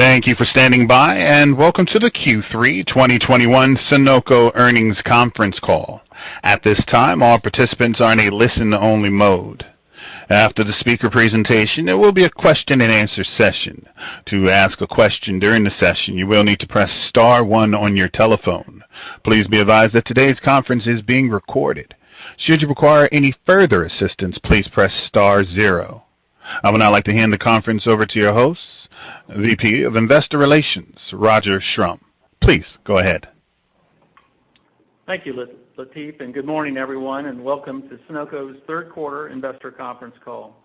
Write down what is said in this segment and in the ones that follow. Thank you for standing by, and welcome to the Q3 2021 Sonoco earnings conference call. At this time, all participants are in a listen-only mode. After the speaker presentation, there will be a question-and-answer session. To ask a question during the session, you will need to press star one on your telephone. Please be advised that today's conference is being recorded. Should you require any further assistance, please press star zero. I would now like to hand the conference over to your host, Vice President of Investor Relations, Roger Schrum. Please go ahead. Thank you, Lateef, and good morning, everyone, and welcome to Sonoco's third quarter investor conference call.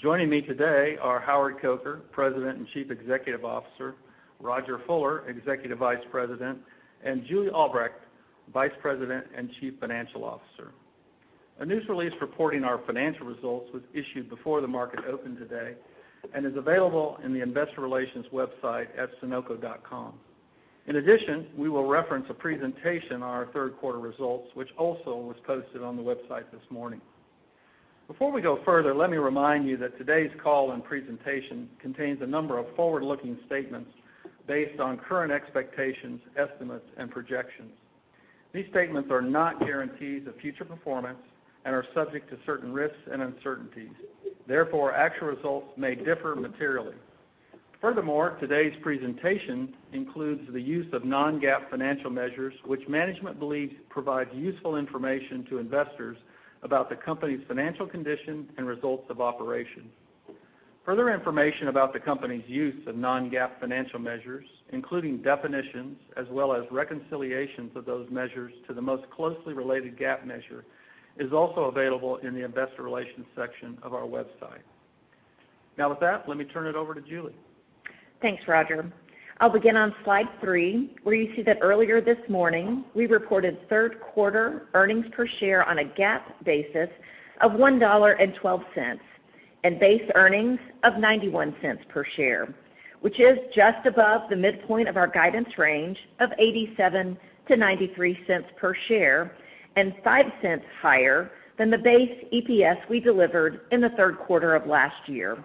Joining me today are Howard Coker, President and Chief Executive Officer, Rodger Fuller, Executive Vice President, and Julie Albrecht, Vice President and Chief Financial Officer. A news release reporting our financial results was issued before the market opened today and is available on the Investor Relations website at sonoco.com. In addition, we will reference a presentation on our third quarter results, which also was posted on the website this morning. Before we go further, let me remind you that today's call and presentation contains a number of forward-looking statements based on current expectations, estimates, and projections. These statements are not guarantees of future performance and are subject to certain risks and uncertainties. Therefore, actual results may differ materially. Furthermore, today's presentation includes the use of non-GAAP financial measures, which management believes provide useful information to investors about the company's financial condition and results of operation. Further information about the company's use of non-GAAP financial measures, including definitions as well as reconciliations of those measures to the most closely related GAAP measure, is also available in the investor relations section of our website. Now with that, let me turn it over to Julie. Thanks, Roger. I'll begin on slide 3, where you see that earlier this morning, we reported third quarter earnings per share on a GAAP basis of $1.12 and base earnings of $0.91 per share, which is just above the midpoint of our guidance range of $0.87-$0.93 per share and $0.05 higher than the base EPS we delivered in the third quarter of last year.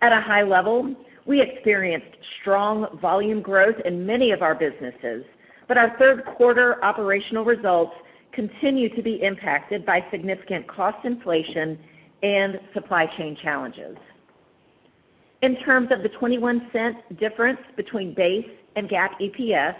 At a high level, we experienced strong volume growth in many of our businesses, but our third quarter operational results continue to be impacted by significant cost inflation and supply chain challenges. In terms of the $0.21 difference between base and GAAP EPS,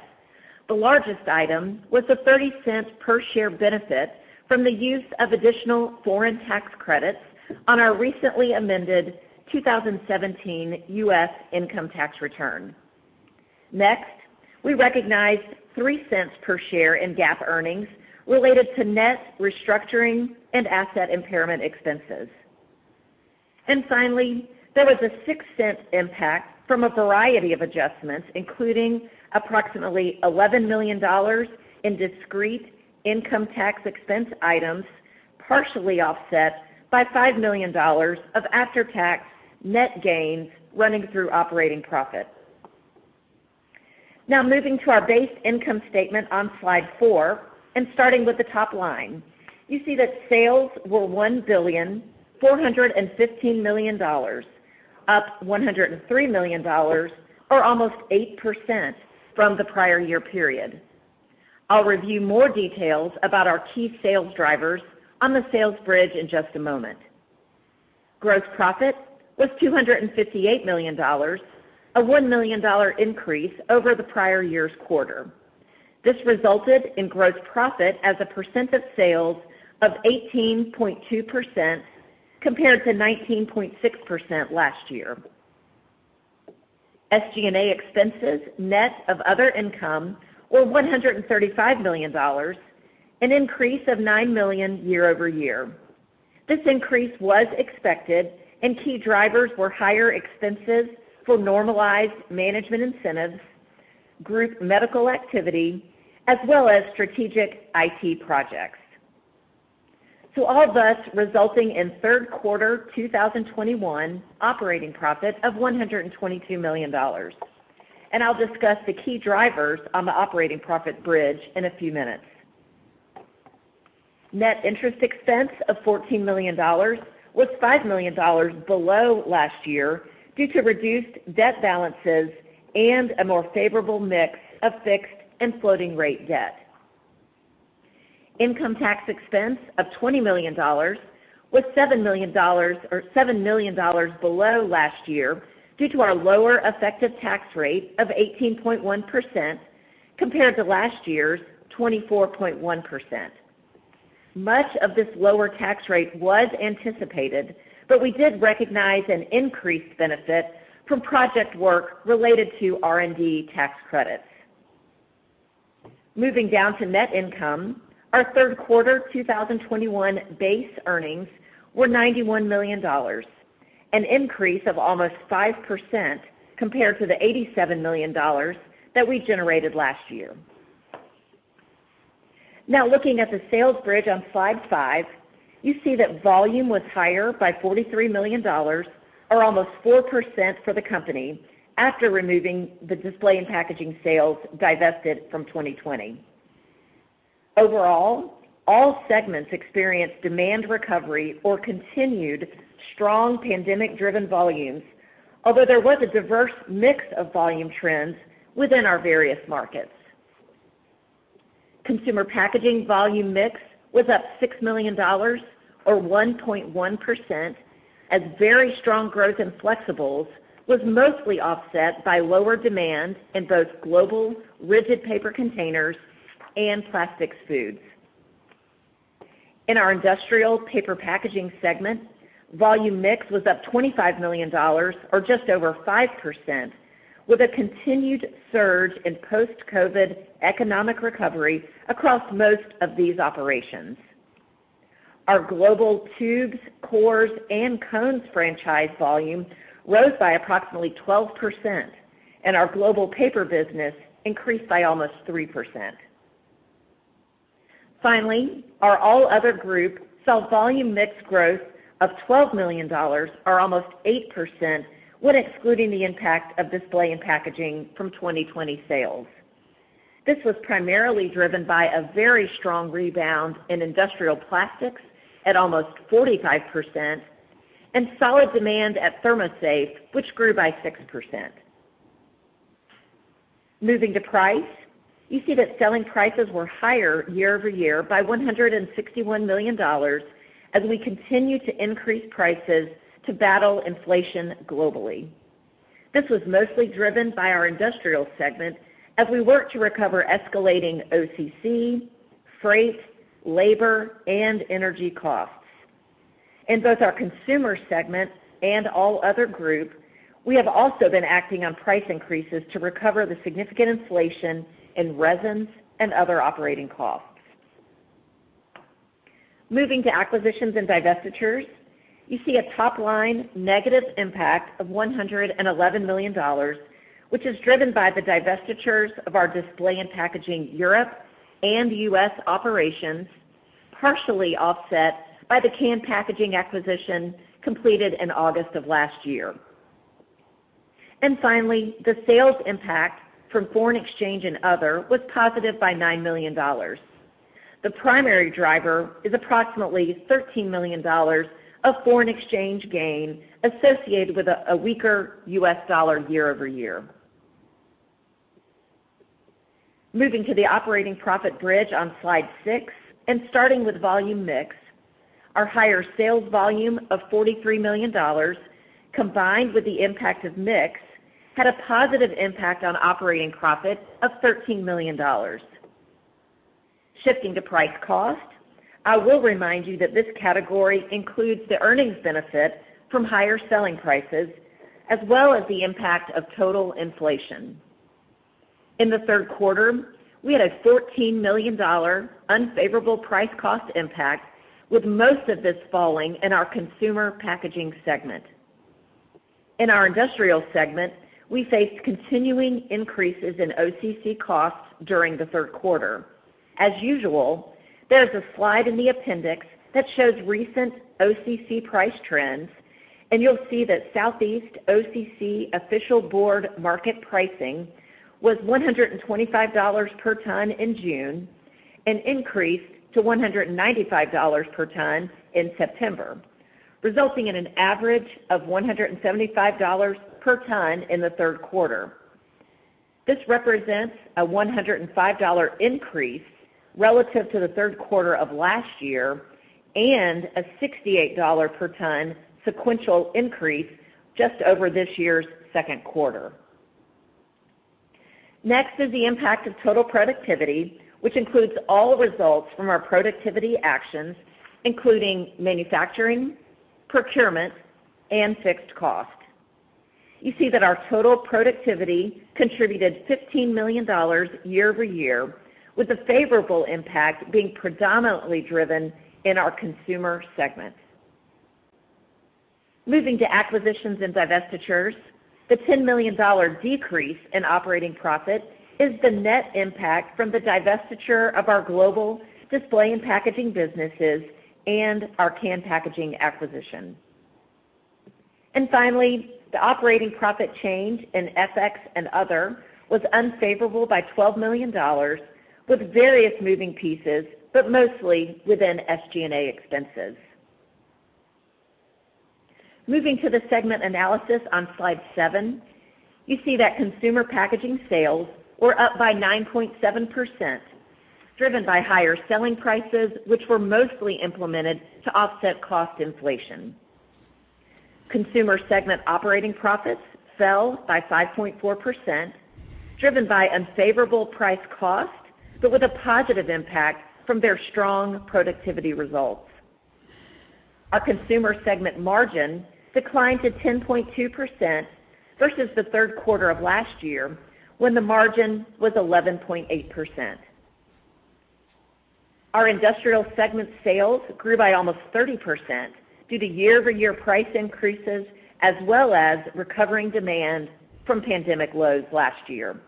the largest item was a $0.30 per share benefit from the use of additional foreign tax credits on our recently amended 2017 U.S. income tax return. Next, we recognized $0.03 per share in GAAP earnings related to net restructuring and asset impairment expenses. Finally, there was a $0.06 impact from a variety of adjustments, including approximately $11 million in discrete income tax expense items, partially offset by $5 million of after-tax net gains running through operating profit. Moving to our base income statement on Slide 4 and starting with the top line. You see that sales were $1.415 billion, up $103 million or almost 8% from the prior year period. I'll review more details about our key sales drivers on the sales bridge in just a moment. Gross profit was $258 million, a $1 million increase over the prior year's quarter. This resulted in gross profit as a percent of sales of 18.2% compared to 19.6% last year. SG&A expenses net of other income were $135 million, an increase of $9 million year-over-year. This increase was expected, and key drivers were higher expenses for normalized management incentives, group medical activity, as well as strategic IT projects. All of this resulting in third quarter 2021 operating profit of $122 million. I'll discuss the key drivers on the operating profit bridge in a few minutes. Net interest expense of $14 million was $5 million below last year due to reduced debt balances and a more favorable mix of fixed and floating rate debt. Income tax expense of $20 million was $7 million below last year due to our lower effective tax rate of 18.1% compared to last year's 24.1%. Much of this lower tax rate was anticipated, we did recognize an increased benefit from project work related to R&D tax credits. Moving down to net income, our third quarter 2021 base earnings were $91 million, an increase of almost 5% compared to the $87 million that we generated last year. Now looking at the sales bridge on Slide 5, you see that volume was higher by $43 million or almost 4% for the company after removing the Display and Packaging sales divested from 2020. Overall, all segments experienced demand recovery or continued strong pandemic-driven volumes, although there was a diverse mix of volume trends within our various markets. Consumer packaging volume mix was up $6 million or 1.1% as very strong growth in flexibles was mostly offset by lower demand in both global rigid paper containers and plastic foods. In our Industrial Paper Packaging segment, volume mix was up $25 million or just over 5%, with a continued surge in post-COVID economic recovery across most of these operations. Our global tubes, cores, and cones franchise volume rose by approximately 12%, and our global paper business increased by almost 3%. Finally, our all other group saw volume mix growth of $12 million or almost 8% when excluding the impact of Display and Packaging from 2020 sales. This was primarily driven by a very strong rebound in Industrial Plastics at almost 45%, and solid demand at ThermoSafe, which grew by 6%. Moving to price, you see that selling prices were higher year-over-year by $161 million as we continue to increase prices to battle inflation globally. This was mostly driven by our industrial segment as we work to recover escalating OCC, freight, labor, and energy costs. In both our consumer segment and all other group, we have also been acting on price increases to recover the significant inflation in resins and other operating costs. Moving to acquisitions and divestitures, you see a top-line negative impact of $111 million, which is driven by the divestitures of our Display and Packaging Europe and U.S. operations, partially offset by the Can Packaging acquisition completed in August of last year. Finally, the sales impact from foreign exchange and other was positive by $9 million. The primary driver is approximately $13 million of foreign exchange gain associated with a weaker U.S. dollar year-over-year. Moving to the operating profit bridge on Slide 6 and starting with volume mix, our higher sales volume of $43 million, combined with the impact of mix, had a positive impact on operating profit of $13 million. Shifting to price-cost, I will remind you that this category includes the earnings benefit from higher selling prices as well as the impact of total inflation. In the third quarter, we had a $14 million unfavorable price-cost impact, with most of this falling in our Consumer Packaging segment. In our industrial segment, we faced continuing increases in OCC costs during the third quarter. As usual, there is a slide in the appendix that shows recent OCC price trends, and you'll see that Southeast OCC Official Board Market pricing was $125 per ton in June and increased to $195 per ton in September, resulting in an average of $175 per ton in the third quarter. This represents a $105 increase relative to the third quarter of last year and a $68 per ton sequential increase just over this year's second quarter. Next is the impact of total productivity, which includes all results from our productivity actions, including manufacturing, procurement, and fixed cost. You see that our total productivity contributed $15 million year-over-year with a favorable impact being predominantly driven in our consumer segment. Moving to acquisitions and divestitures, the $10 million decrease in operating profit is the net impact from the divestiture of our global Display and Packaging businesses and our Can Packaging acquisition. Finally, the operating profit change in FX and other was unfavorable by $12 million with various moving pieces, but mostly within SG&A expenses. Moving to the segment analysis on Slide 7, you see that consumer packaging sales were up by 9.7%, driven by higher selling prices, which were mostly implemented to offset cost inflation. Consumer segment operating profits fell by 5.4%, driven by unfavorable price-cost, but with a positive impact from their strong productivity results. Our consumer segment margin declined to 10.2% versus the third quarter of last year when the margin was 11.8%. Our industrial segment sales grew by almost 30% due to year-over-year price increases as well as recovering demand from pandemic lows last year.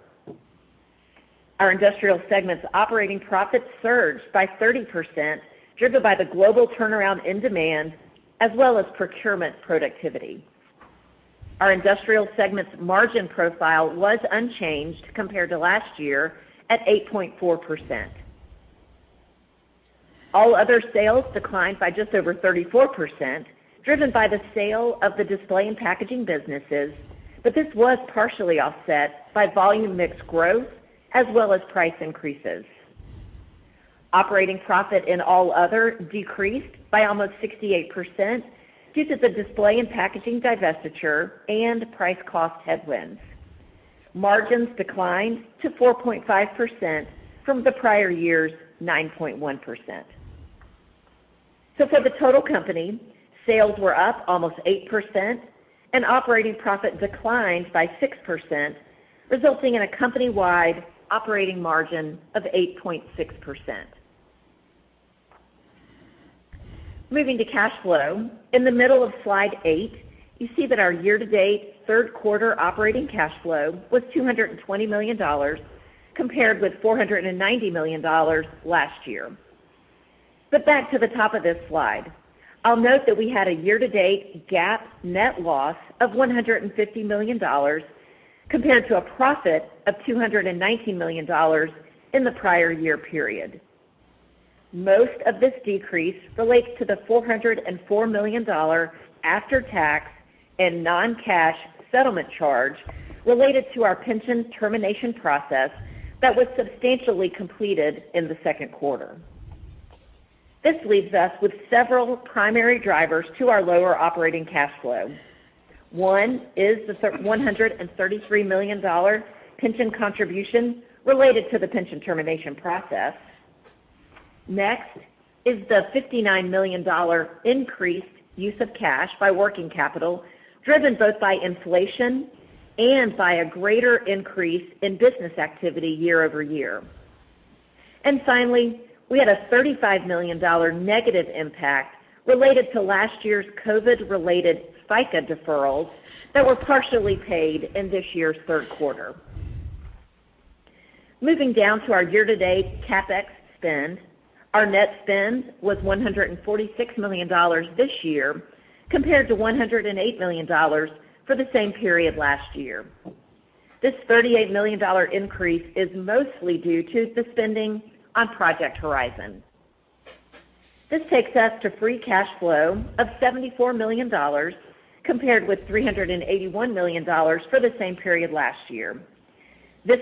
Our industrial segment's operating profits surged by 30%, driven by the global turnaround in demand as well as procurement productivity. Our industrial segment's margin profile was unchanged compared to last year at 8.4%. All other sales declined by just over 34%, driven by the sale of the Display and Packaging businesses, but this was partially offset by volume mix growth as well as price increases. Operating profit in all other decreased by almost 68% due to the Display and Packaging divestiture and price-cost headwinds. Margins declined to 4.5% from the prior year's 9.1%. For the total company, sales were up almost 8% and operating profit declined by 6%, resulting in a company-wide operating margin of 8.6%. Moving to cash flow. In the middle of slide 8, you see that our year-to-date third quarter operating cash flow was $220 million, compared with $490 million last year. Back to the top of this slide. I'll note that we had a year-to-date GAAP net loss of $150 million compared to a profit of $290 million in the prior year period. Most of this decrease relates to the $404 million after-tax and non-cash settlement charge related to our pension termination process that was substantially completed in the second quarter. This leaves us with several primary drivers to our lower operating cash flow. One is the $133 million pension contribution related to the pension termination process. Next is the $59 million increased use of cash by working capital, driven both by inflation and by a greater increase in business activity year-over-year. Finally, we had a $35 million negative impact related to last year's COVID-related FICA deferrals that were partially paid in this year's third quarter. Moving down to our year-to-date CapEx spend, our net spend was $146 million this year compared to $108 million for the same period last year. This $38 million increase is mostly due to the spending on Project Horizon. This takes us to free cash flow of $74 million, compared with $381 million for the same period last year. This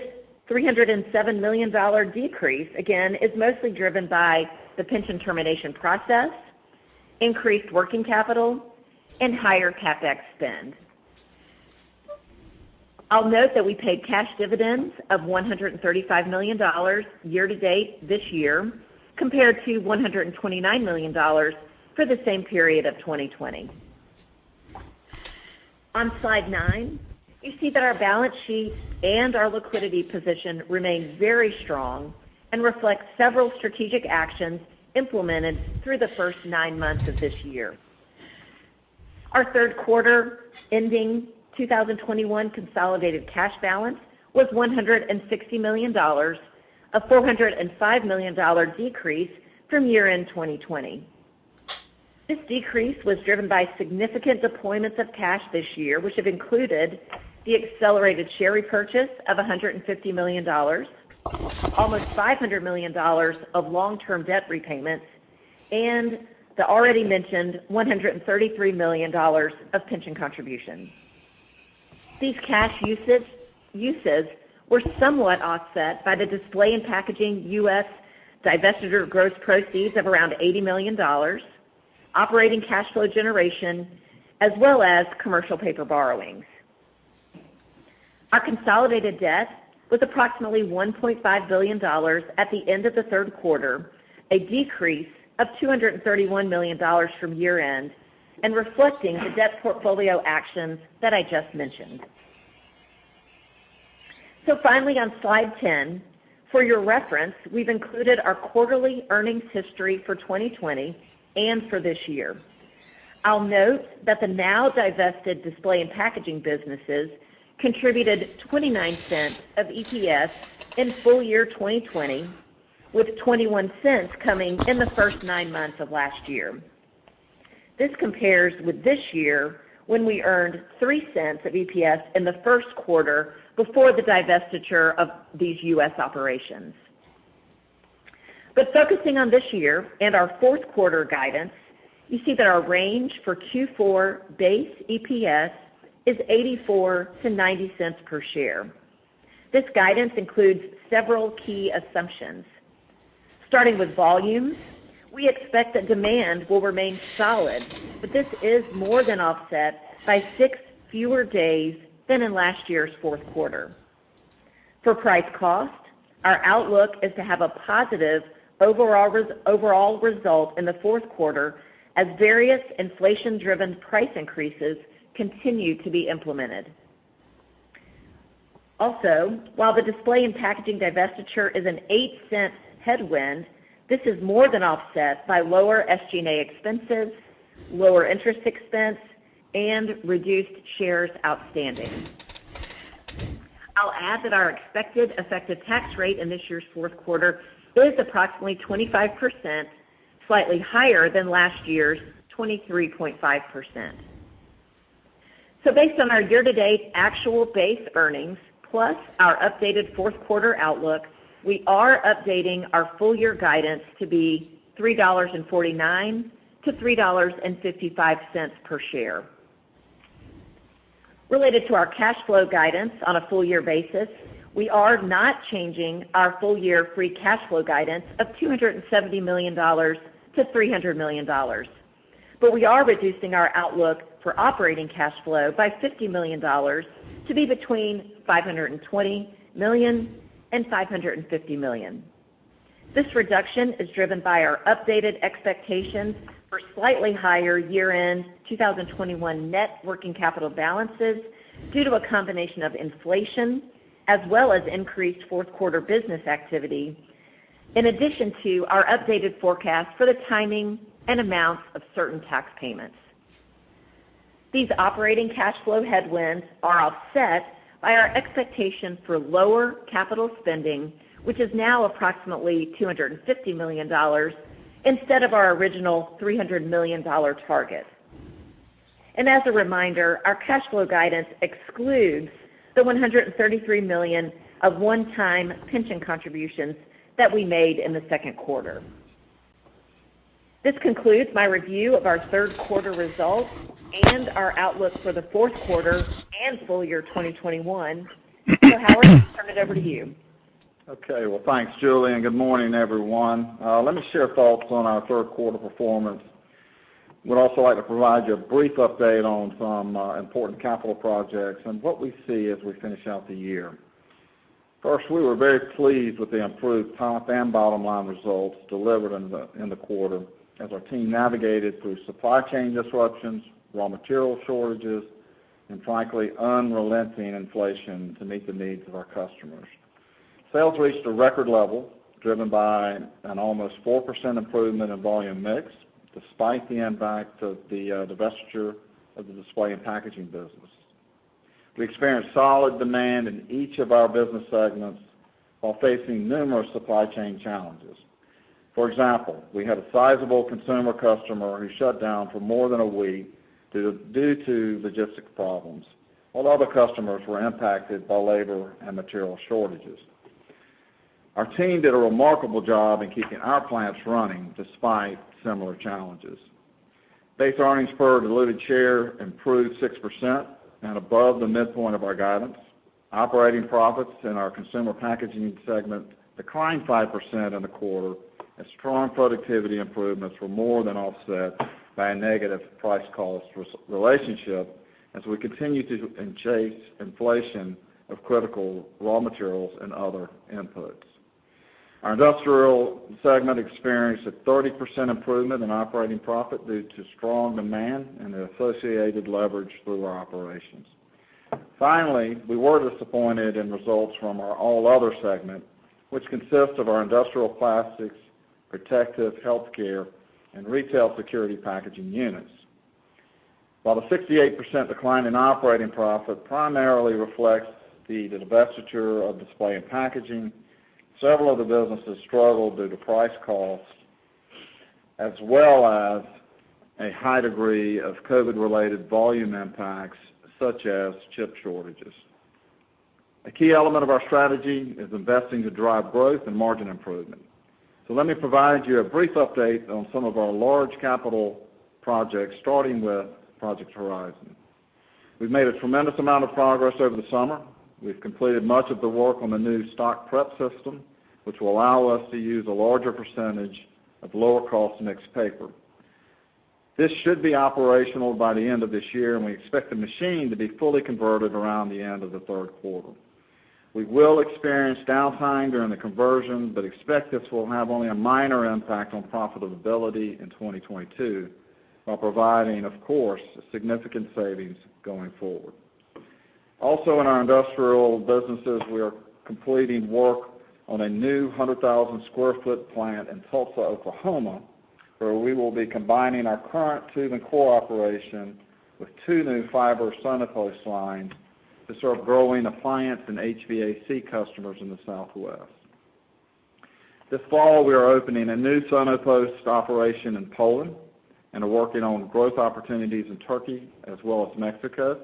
$307 million decrease, again, is mostly driven by the pension termination process, increased working capital, and higher CapEx spend. I'll note that we paid cash dividends of $135 million year-to-date this year, compared to $129 million for the same period of 2020. On slide 9, you see that our balance sheet and our liquidity position remain very strong and reflect several strategic actions implemented through the first nine months of this year. Our third quarter ending 2021 consolidated cash balance was $160 million, a $405 million decrease from year-end 2020. This decrease was driven by significant deployments of cash this year, which have included the accelerated share repurchase of $150 million, almost $500 million of long-term debt repayments, and the already mentioned $133 million of pension contributions. These cash uses were somewhat offset by the Display and Packaging U.S. divestiture gross proceeds of around $80 million, operating cash flow generation, as well as commercial paper borrowings. Our consolidated debt was approximately $1.5 billion at the end of the third quarter, a decrease of $231 million from year-end, and reflecting the debt portfolio actions that I just mentioned. Finally on slide 10, for your reference, we've included our quarterly earnings history for 2020 and for this year. I'll note that the now divested Display and Packaging businesses contributed $0.29 of EPS in full year 2020, with $0.21 coming in the first nine months of last year. This compares with this year, when we earned $0.03 of EPS in the first quarter before the divestiture of these U.S. operations. Focusing on this year and our fourth quarter guidance, you see that our range for Q4 base EPS is $0.84-$0.90 per share. This guidance includes several key assumptions. Starting with volumes, we expect that demand will remain solid, but this is more than offset by six fewer days than in last year's fourth quarter. For price-cost, our outlook is to have a positive overall result in the fourth quarter as various inflation-driven price increases continue to be implemented. While the Display and Packaging divestiture is a $0.08 headwind, this is more than offset by lower SG&A expenses, lower interest expense, and reduced shares outstanding. I'll add that our expected effective tax rate in this year's fourth quarter is approximately 25%, slightly higher than last year's 23.5%. Based on our year-to-date actual base earnings, plus our updated fourth quarter outlook, we are updating our full-year guidance to be $3.49-$3.55 per share. Related to our cash flow guidance on a full-year basis, we are not changing our full-year free cash flow guidance of $270 million-$300 million. We are reducing our outlook for operating cash flow by $50 million to be between $520 million and $550 million. This reduction is driven by our updated expectations for slightly higher year-end 2021 net working capital balances due to a combination of inflation, as well as increased fourth-quarter business activity, in addition to our updated forecast for the timing and amounts of certain tax payments. These operating cash flow headwinds are offset by our expectations for lower capital spending, which is now approximately $250 million instead of our original $300 million target. As a reminder, our cash flow guidance excludes the $133 million of one-time pension contributions that we made in the second quarter. This concludes my review of our third quarter results and our outlook for the fourth quarter and full year 2021. Howard, I'll turn it over to you. Okay. Well, thanks, Julie, and good morning, everyone. Let me share thoughts on our third quarter performance. Would also like to provide you a brief update on some important capital projects and what we see as we finish out the year. First, we were very pleased with the improved top and bottom line results delivered in the quarter as our team navigated through supply chain disruptions, raw material shortages, and frankly, unrelenting inflation to meet the needs of our customers. Sales reached a record level, driven by an almost 4% improvement in volume mix, despite the impact of the divestiture of the Display and Packaging business. We experienced solid demand in each of our business segments while facing numerous supply chain challenges. For example, we had a sizable consumer customer who shut down for more than a week due to logistic problems, while other customers were impacted by labor and material shortages. Our team did a remarkable job in keeping our plants running despite similar challenges. Base earnings per diluted share improved 6% and above the midpoint of our guidance. Operating profits in our Consumer Packaging segment declined 5% in the quarter as strong productivity improvements were more than offset by a negative price-cost relationship as we continue to chase inflation of critical raw materials and other inputs. Our industrial segment experienced a 30% improvement in operating profit due to strong demand and the associated leverage through our operations. Finally, we were disappointed in results from our All Other segment, which consists of our Industrial Plastics, Protective Healthcare, and Retail Security Packaging units. While the 68% decline in operating profit primarily reflects the divestiture of Display and Packaging, several of the businesses struggled due to price-costs, as well as a high degree of COVID-related volume impacts, such as chip shortages. A key element of our strategy is investing to drive growth and margin improvement. Let me provide you a brief update on some of our large capital projects, starting with Project Horizon. We've made a tremendous amount of progress over the summer. We've completed much of the work on the new stock prep system, which will allow us to use a larger % of lower cost mixed paper. This should be operational by the end of this year, and we expect the machine to be fully converted around the end of the third quarter. We will experience downtime during the conversion, but expect this will have only a minor impact on profitability in 2022 while providing, of course, significant savings going forward. Also in our industrial businesses, we are completing work on a new 100,000 sq ft plant in Tulsa, Oklahoma, where we will be combining our current tube and core operation with two new fiber SonoPost lines to serve growing appliance and HVAC customers in the Southwest. This fall, we are opening a new SonoPost operation in Poland and are working on growth opportunities in Turkey as well as Mexico.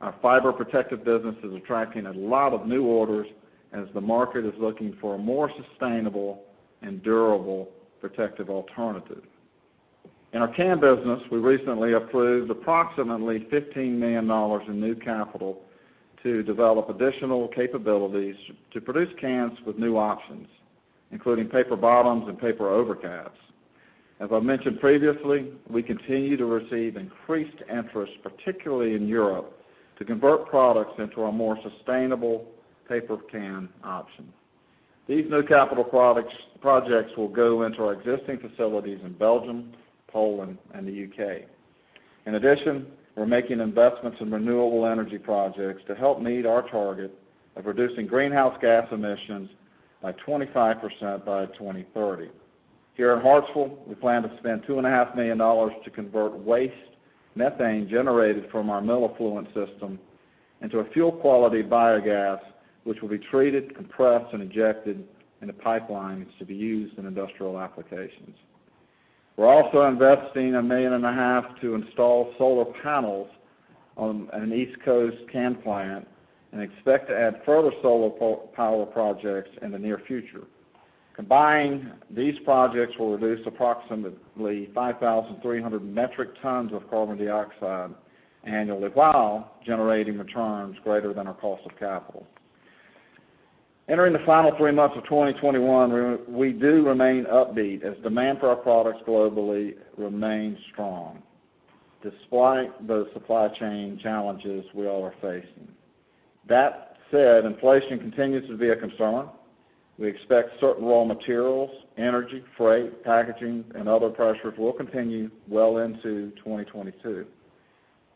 Our fiber protective business is attracting a lot of new orders as the market is looking for a more sustainable and durable protective alternative. In our can business, we recently approved approximately $15 million in new capital to develop additional capabilities to produce cans with new options, including paper bottoms and paper overcaps. As I mentioned previously, we continue to receive increased interest, particularly in Europe, to convert products into a more sustainable paper can option. These new capital projects will go into our existing facilities in Belgium, Poland, and the U.K. We're making investments in renewable energy projects to help meet our target of reducing greenhouse gas emissions by 25% by 2030. Here in Hartsville, we plan to spend $2.5 million to convert waste methane generated from our mill effluent system into a fuel quality biogas, which will be treated, compressed, and injected into pipelines to be used in industrial applications. We're also investing a $1.5 million to install solar panels on an East Coast can plant and expect to add further solar power projects in the near future. Combining these projects will reduce approximately 5,300 metric tons of carbon dioxide annually while generating returns greater than our cost of capital. Entering the final three months of 2021, we do remain upbeat as demand for our products globally remains strong despite the supply chain challenges we all are facing. That said, inflation continues to be a concern. We expect certain raw materials, energy, freight, packaging, and other pressures will continue well into 2022.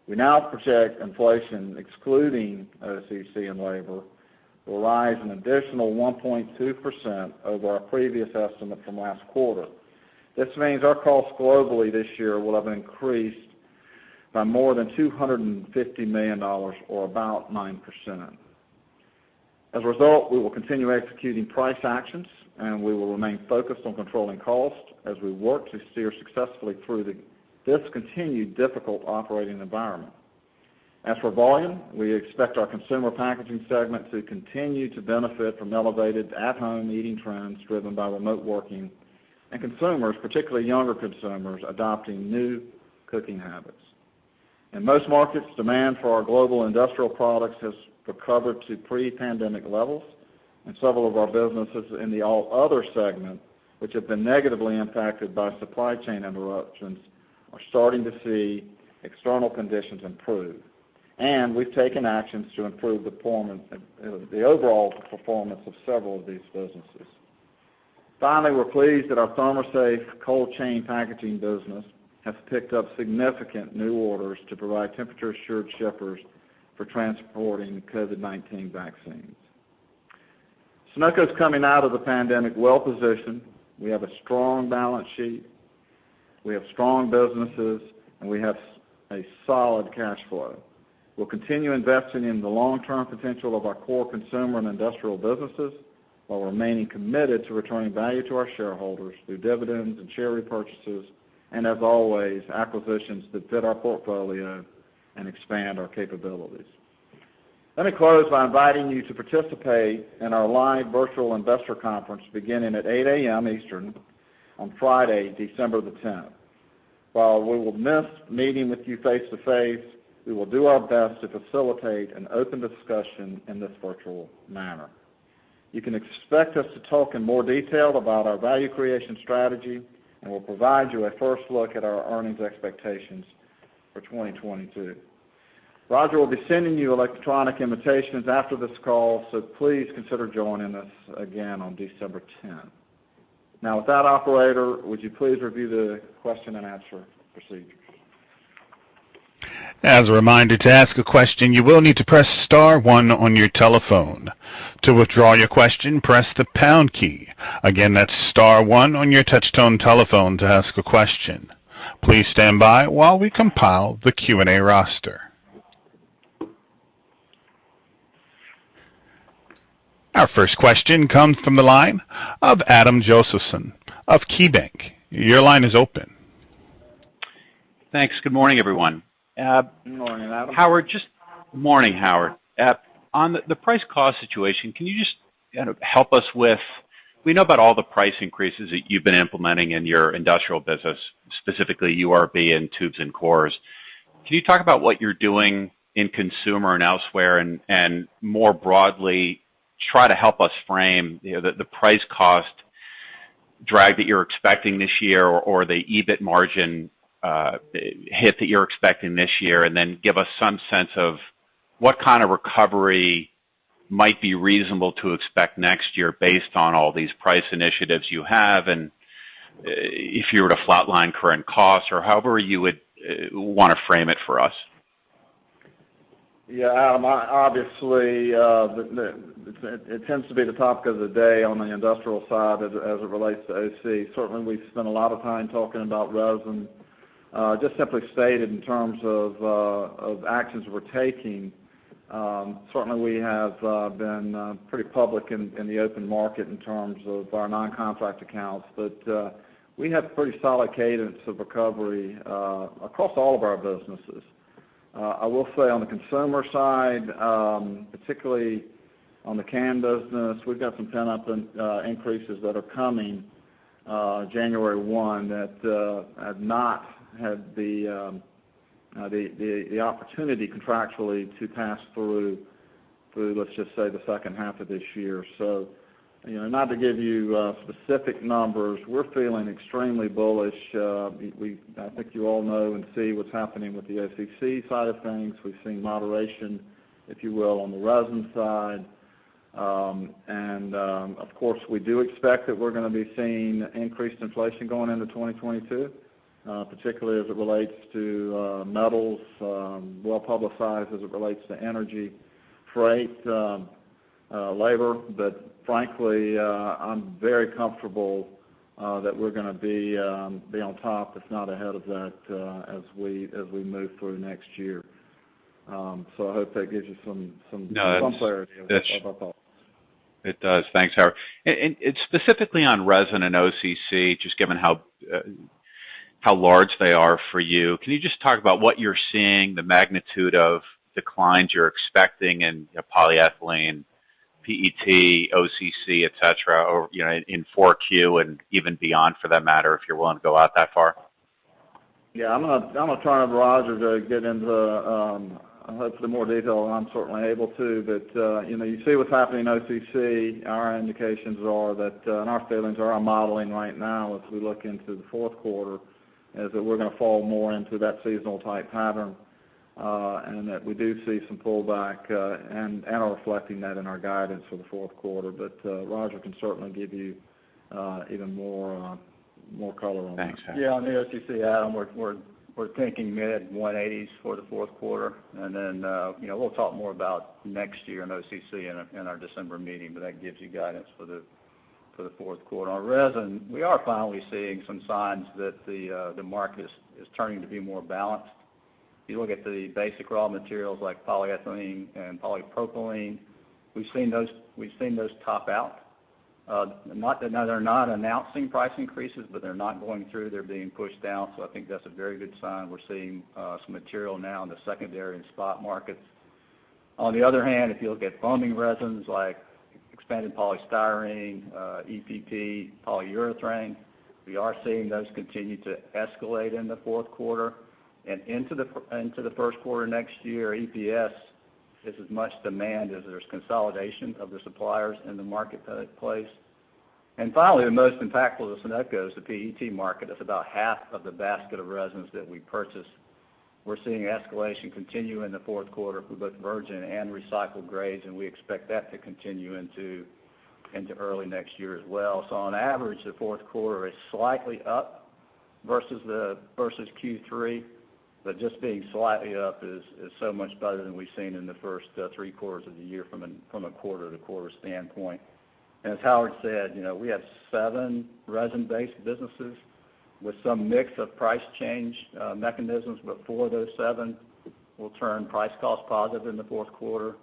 We now project inflation, excluding OCC and labor, will rise an additional 1.2% over our previous estimate from last quarter. This means our costs globally this year will have increased by more than $250 million or about 9%. As a result, we will continue executing price actions, and we will remain focused on controlling costs as we work to steer successfully through this continued difficult operating environment. As for volume, we expect our Consumer Packaging segment to continue to benefit from elevated at-home eating trends driven by remote working and consumers, particularly younger consumers, adopting new cooking habits. In most markets, demand for our global industrial products has recovered to pre-pandemic levels. Several of our businesses in the All Other segment, which have been negatively impacted by supply chain interruptions, are starting to see external conditions improve. We've taken actions to improve the overall performance of several of these businesses. Finally, we're pleased that our ThermoSafe cold chain packaging business has picked up significant new orders to provide temperature-assured shippers for transporting COVID-19 vaccines. Sonoco's coming out of the pandemic well-positioned. We have a strong balance sheet. We have strong businesses, and we have a solid cash flow. We'll continue investing in the long-term potential of our core consumer and industrial businesses while remaining committed to returning value to our shareholders through dividends and share repurchases, and as always, acquisitions that fit our portfolio and expand our capabilities. Let me close by inviting you to participate in our live virtual investor conference beginning at 8:00 A.M. Eastern on Friday, December the 10th. While we will miss meeting with you face to face, we will do our best to facilitate an open discussion in this virtual manner. You can expect us to talk in more detail about our value creation strategy, and we'll provide you a first look at our earnings expectations for 2022. Roger will be sending you electronic invitations after this call, so please consider joining us again on December 10. With that, operator, would you please review the question and answer procedures? Our first question comes from the line of Adam Josephson of KeyBanc Capital Markets. Your line is open. Thanks. Good morning, everyone. Good morning, Adam. Morning, Howard. On the price-cost situation, can you just kind of help us with. We know about all the price increases that you've been implementing in your industrial business, specifically URB and tubes and cores. Can you talk about what you're doing in consumer and elsewhere and more broadly, try to help us frame the price-cost drag that you're expecting this year or the EBIT margin hit that you're expecting this year? Give us some sense of what kind of recovery might be reasonable to expect next year based on all these price initiatives you have and if you were to flatline current costs or however you would want to frame it for us. Yeah, Adam, obviously, it tends to be the topic of the day on the industrial side as it relates to OCC. Certainly, we've spent a lot of time talking about resin. Just simply stated in terms of actions we're taking, certainly we have been pretty public in the open market in terms of our non-contract accounts. We have pretty solid cadence of recovery across all of our businesses. I will say on the consumer side, particularly on the can business, we've got some pent-up increases that are coming January 1 that have not had the opportunity contractually to pass through, let's just say, the second half of this year. Not to give you specific numbers, we're feeling extremely bullish. I think you all know and see what's happening with the OCC side of things. We've seen moderation, if you will, on the resin side. Of course, we do expect that we're going to be seeing increased inflation going into 2022, particularly as it relates to metals, well publicized as it relates to energy, freight labor. Frankly, I'm very comfortable that we're going to be on top, if not ahead of that as we move through next year. I hope that gives you some clarity of our thoughts. It does. Thanks, Howard. Specifically on resin and OCC, just given how large they are for you, can you just talk about what you're seeing, the magnitude of declines you're expecting in polyethylene, PET, OCC, et cetera, or in 4Q and even beyond for that matter, if you're willing to go out that far? Yeah. I'm going to turn to Rodger to get into hopefully more detail than I'm certainly able to. You see what's happening in OCC. Our indications are that, and our feelings are, our modeling right now as we look into the fourth quarter, is that we're going to fall more into that seasonal type pattern. That we do see some pullback, and are reflecting that in our guidance for the fourth quarter. Rodger can certainly give you even more color on that. Thanks, Howard. Yeah. On the OCC, Adam, we're thinking mid-$180s for the fourth quarter. We'll talk more about next year and OCC in our December meeting, but that gives you guidance for the fourth quarter. On resin, we are finally seeing some signs that the market is turning to be more balanced. If you look at the basic raw materials like polyethylene and polypropylene, we've seen those top out. They're not announcing price increases, but they're not going through. They're being pushed down. I think that's a very good sign. We're seeing some material now in the secondary and spot markets. On the other hand, if you look at foaming resins like expanded polystyrene, EPP, polyurethane, we are seeing those continue to escalate in the fourth quarter and into the first quarter next year. EPS is as much demand as there's consolidation of the suppliers in the marketplace. Finally, the most impactful to Sonoco is the PET market. That's about half of the basket of resins that we purchase. We're seeing escalation continue in the fourth quarter for both virgin and recycled grades, and we expect that to continue into early next year as well. On average, the fourth quarter is slightly up versus Q3. Just being slightly up is so much better than we've seen in the first three quarters of the year from a quarter-to-quarter standpoint. As Howard said, we have seven resin-based businesses with some mix of price change mechanisms. Four of those seven will turn price-cost positive in the fourth quarter,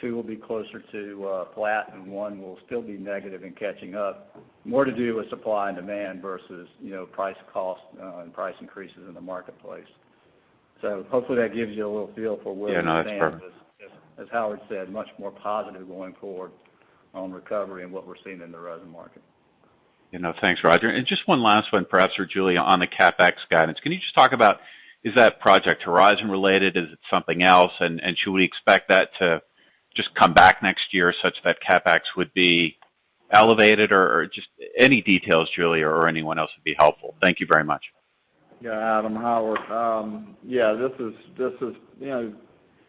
two will be closer to flat, and one will still be negative and catching up. More to do with supply and demand versus price-cost and price increases in the marketplace. Hopefully that gives you a little feel for where we stand. Yeah, no, that's perfect. As Howard said, much more positive going forward on recovery and what we're seeing in the resin market. Thanks, Rodger. Just one last one perhaps for Julie on the CapEx guidance. Can you just talk about, is that Project Horizon related? Is it something else? Should we expect that to just come back next year such that CapEx would be elevated? Just any details, Julie or anyone else, would be helpful. Thank you very much. Yeah, Adam. Howard? Yeah. A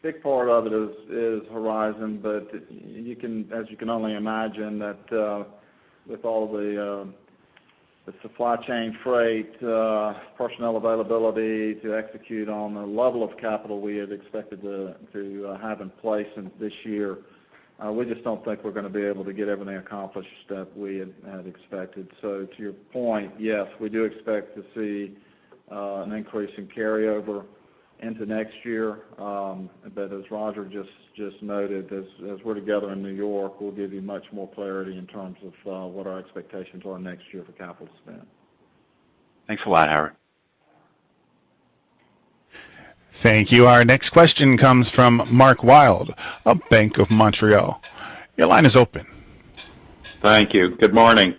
big part of it is Horizon, but as you can only imagine that with all the supply chain freight, personnel availability to execute on the level of capital we had expected to have in place this year, we just don't think we're going to be able to get everything accomplished that we had expected. to your point, yes, we do expect to see an increase in carryover into next year. as Rodger just noted, as we're together in New York, we'll give you much more clarity in terms of what our expectations are next year for capital spend. Thanks a lot, Howard. Thank you. Our next question comes from Mark Wilde of BMO Capital Markets. Your line is open. Thank you. Good morning.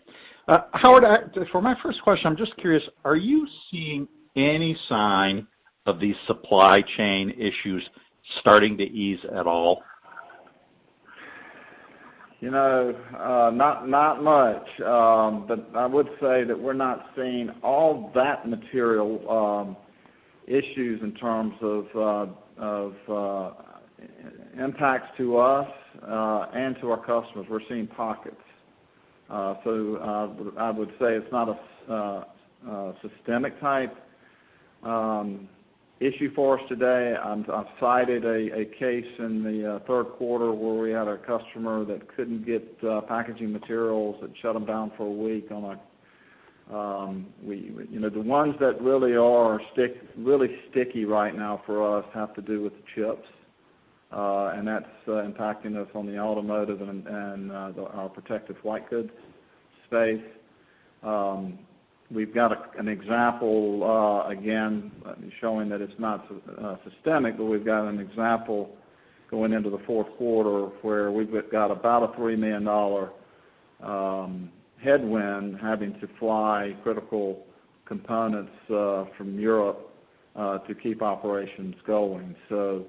Howard, for my first question, I'm just curious, are you seeing any sign of these supply chain issues starting to ease at all? Not much. I would say that we're not seeing all that material issues in terms of impacts to us and to our customers. We're seeing pockets. I would say it's not a systemic type issue for us today. I've cited a case in the third quarter where we had a customer that couldn't get packaging materials that shut them down for a week. The ones that really are sticky right now for us have to do with chips. that's impacting us on the automotive and our protective white goods space. We've got an example, again, showing that it's not systemic, but we've got an example going into the fourth quarter where we've got about a $3 million headwind having to fly critical components from Europe to keep operations going. To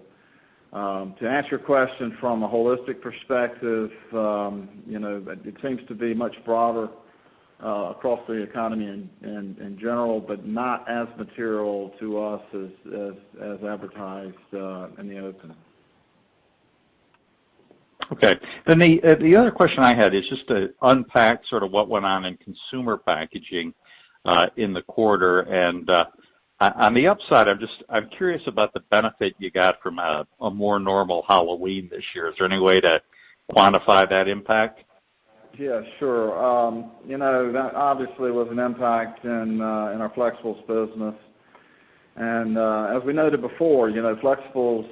answer your question from a holistic perspective, it seems to be much broader across the economy in general, but not as material to us as advertised in the opening. Okay. The other question I had is just to unpack sort of what went on in consumer packaging in the quarter. On the upside, I'm curious about the benefit you got from a more normal Halloween this year. Is there any way to quantify that impact? Yeah, sure. That obviously was an impact in our flexibles business. As we noted before, flexibles,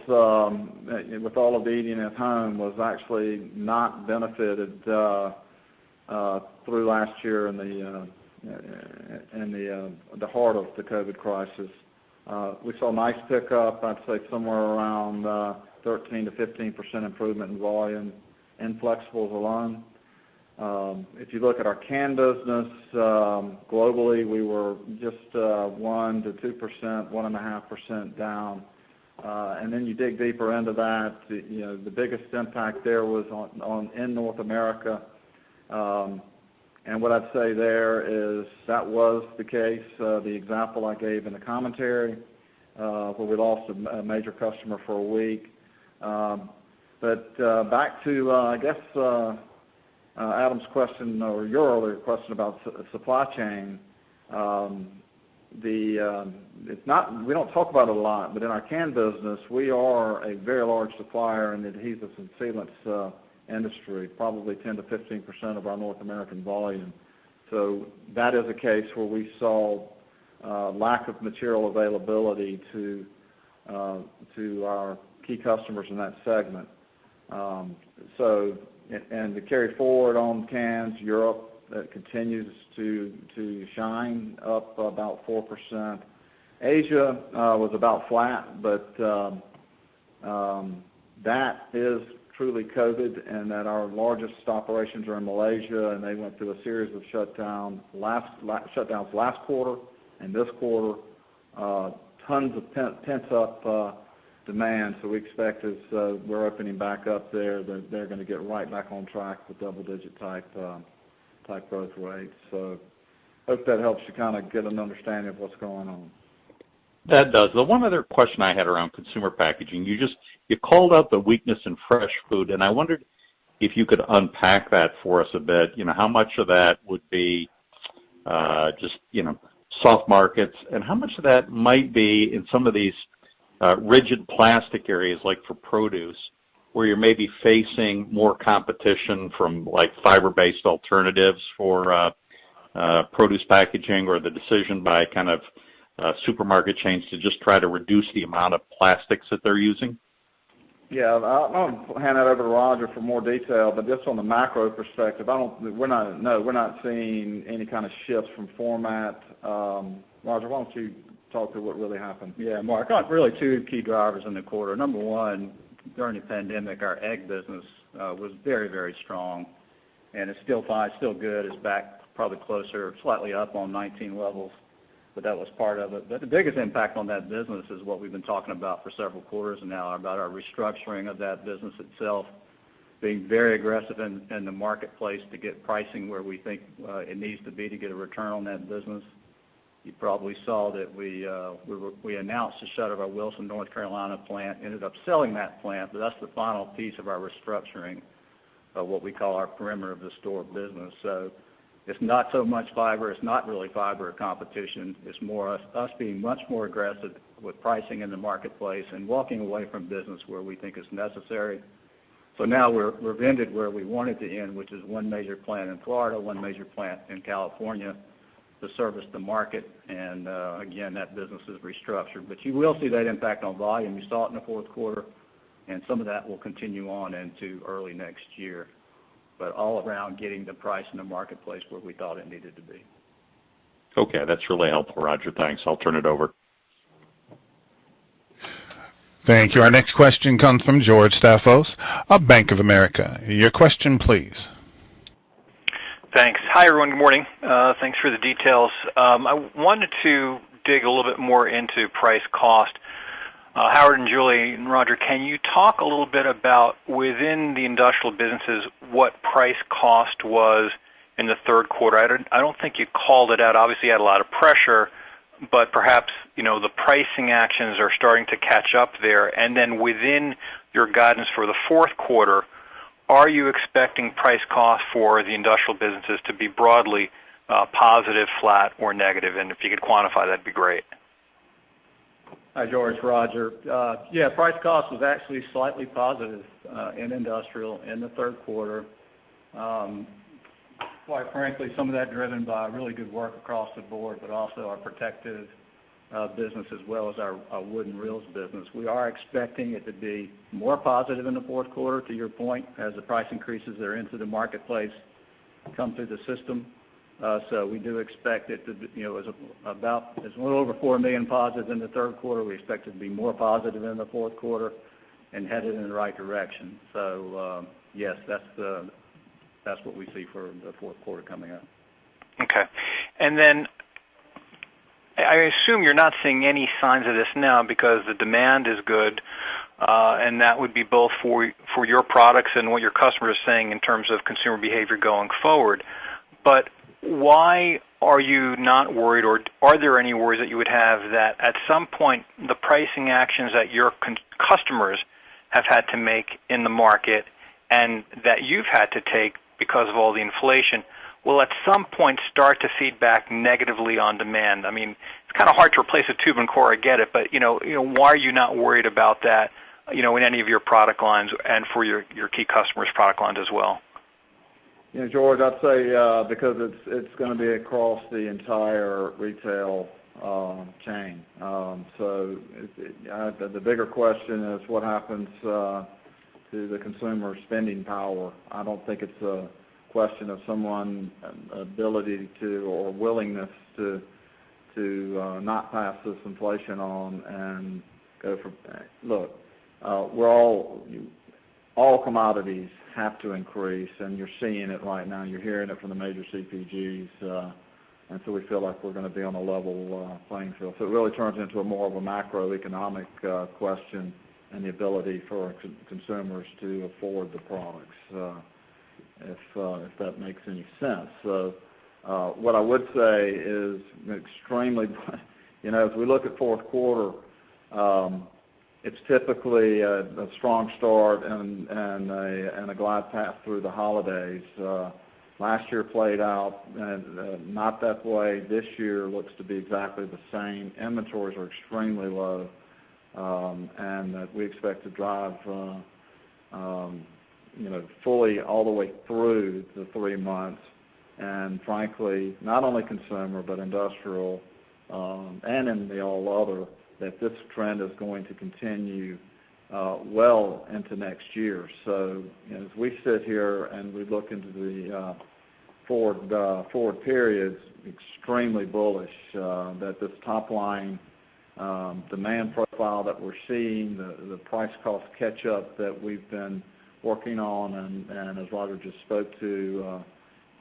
with all of the eating at home, was actually not benefited through last year in the heart of the COVID crisis. We saw a nice pickup, I'd say somewhere around 13%-15% improvement in volume in flexibles alone. If you look at our can business, globally, we were just 1%-2%, 1.5% down. You dig deeper into that, the biggest impact there was in North America. What I'd say there is that was the case, the example I gave in the commentary, where we lost a major customer for a week. Back to, I guess, Adam's question or your earlier question about supply chain. We don't talk about it a lot, but in our can business, we are a very large supplier in adhesives and sealants industry, probably 10%-15% of our North American volume. That is a case where we saw a lack of material availability to our key customers in that segment. To carry forward on cans, Europe continues to shine up about 4%. Asia was about flat, but that is truly COVID in that our largest operations are in Malaysia, and they went through a series of shutdowns last quarter and this quarter. Tons of pent-up demand. We expect as we're opening back up there, that they're going to get right back on track with double-digit type growth rates. Hope that helps you kind of get an understanding of what's going on. That does. The one other question I had around consumer packaging, you called out the weakness in fresh food, and I wondered if you could unpack that for us a bit. How much of that would be just soft markets, and how much of that might be in some of these rigid plastic areas, like for produce, where you're maybe facing more competition from fiber-based alternatives for produce packaging or the decision by supermarket chains to just try to reduce the amount of plastics that they're using? Yeah. I'll hand that over to Rodger for more detail. just on the macro perspective, no, we're not seeing any kind of shifts from format. Rodger, why don't you talk to what really happened? Yeah, Mark. Really two key drivers in the quarter. Number one, during the pandemic, our egg business was very strong, and it's still good. It's back probably closer, slightly up on '19 levels, but that was part of it. The biggest impact on that business is what we've been talking about for several quarters now, about our restructuring of that business itself. Being very aggressive in the marketplace to get pricing where we think it needs to be to get a return on that business. You probably saw that we announced the shut of our Wilson, North Carolina plant, ended up selling that plant, but that's the final piece of our restructuring of what we call our perimeter of the store business. it's not so much fiber, it's not really fiber competition, it's more us being much more aggressive with pricing in the marketplace and walking away from business where we think it's necessary. Now we're vended where we wanted to end, which is one major plant in Florida, one major plant in California to service the market. Again, that business is restructured. You will see that impact on volume. You saw it in the fourth quarter, and some of that will continue on into early next year. All around, getting the price in the marketplace where we thought it needed to be. Okay. That's really helpful, Rodger. Thanks. I'll turn it over. Thank you. Our next question comes from George Staphos of Bank of America. Your question, please. Thanks. Hi, everyone. Good morning. Thanks for the details. I wanted to dig a little bit more into price-cost. Howard, and Julie, and Rodger, can you talk a little bit about within the industrial businesses, what price-cost was in the third quarter? I don't think you called it out. Obviously, you had a lot of pressure, but perhaps the pricing actions are starting to catch up there. within your guidance for the fourth quarter, are you expecting price-cost for the industrial businesses to be broadly positive, flat, or negative? If you could quantify, that'd be great. Hi, George. Rodger. Yeah, price-cost was actually slightly positive in industrial in the third quarter. Quite frankly, some of that driven by really good work across the board, but also our protective business as well as our wooden reels business. We are expecting it to be more positive in the fourth quarter, to your point, as the price increases that are into the marketplace come through the system. It was a little over $4 million positive in the third quarter. We expect it to be more positive in the fourth quarter and headed in the right direction. Yes, that's what we see for the fourth quarter coming up. Okay. I assume you're not seeing any signs of this now because the demand is good, and that would be both for your products and what your customer is saying in terms of consumer behavior going forward. Why are you not worried, or are there any worries that you would have that at some point the pricing actions that your customers have had to make in the market and that you've had to take because of all the inflation will at some point start to feed back negatively on demand. It's kind of hard to replace a tube and core, I get it, but why are you not worried about that in any of your product lines and for your key customers' product lines as well? George, I'd say because it's going to be across the entire retail chain. The bigger question is what happens to the consumer spending power? I don't think it's a question of someone's ability to, or willingness to not pass this inflation on and go from. Look, all commodities have to increase, and you're seeing it right now. You're hearing it from the major CPGs. We feel like we're going to be on a level playing field. It really turns into more of a macroeconomic question and the ability for consumers to afford the products, if that makes any sense. What I would say is extremely. If we look at fourth quarter, it's typically a strong start and a glide path through the holidays. Last year played out not that way. This year looks to be exactly the same. Inventories are extremely low, and we expect to drive fully all the way through the three months, and frankly, not only consumer, but industrial, and in the all other, that this trend is going to continue well into next year. As we sit here and we look into the forward periods, extremely bullish that this top line demand profile that we're seeing, the price-cost catch-up that we've been working on, and as Rodger just spoke to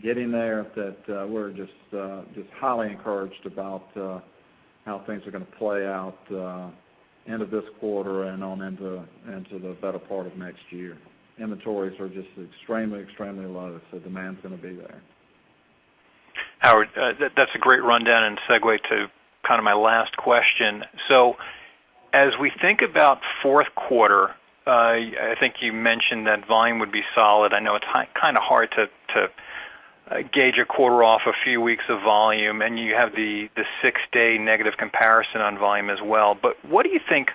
getting there, that we're just highly encouraged about how things are going to play out end of this quarter and on into the better part of next year. Inventories are just extremely low, so demand's going to be there. Howard, that's a great rundown and segue to my last question. As we think about fourth quarter, I think you mentioned that volume would be solid. I know it's kind of hard to gauge a quarter off a few weeks of volume, and you have the six-day negative comparison on volume as well. What do you think,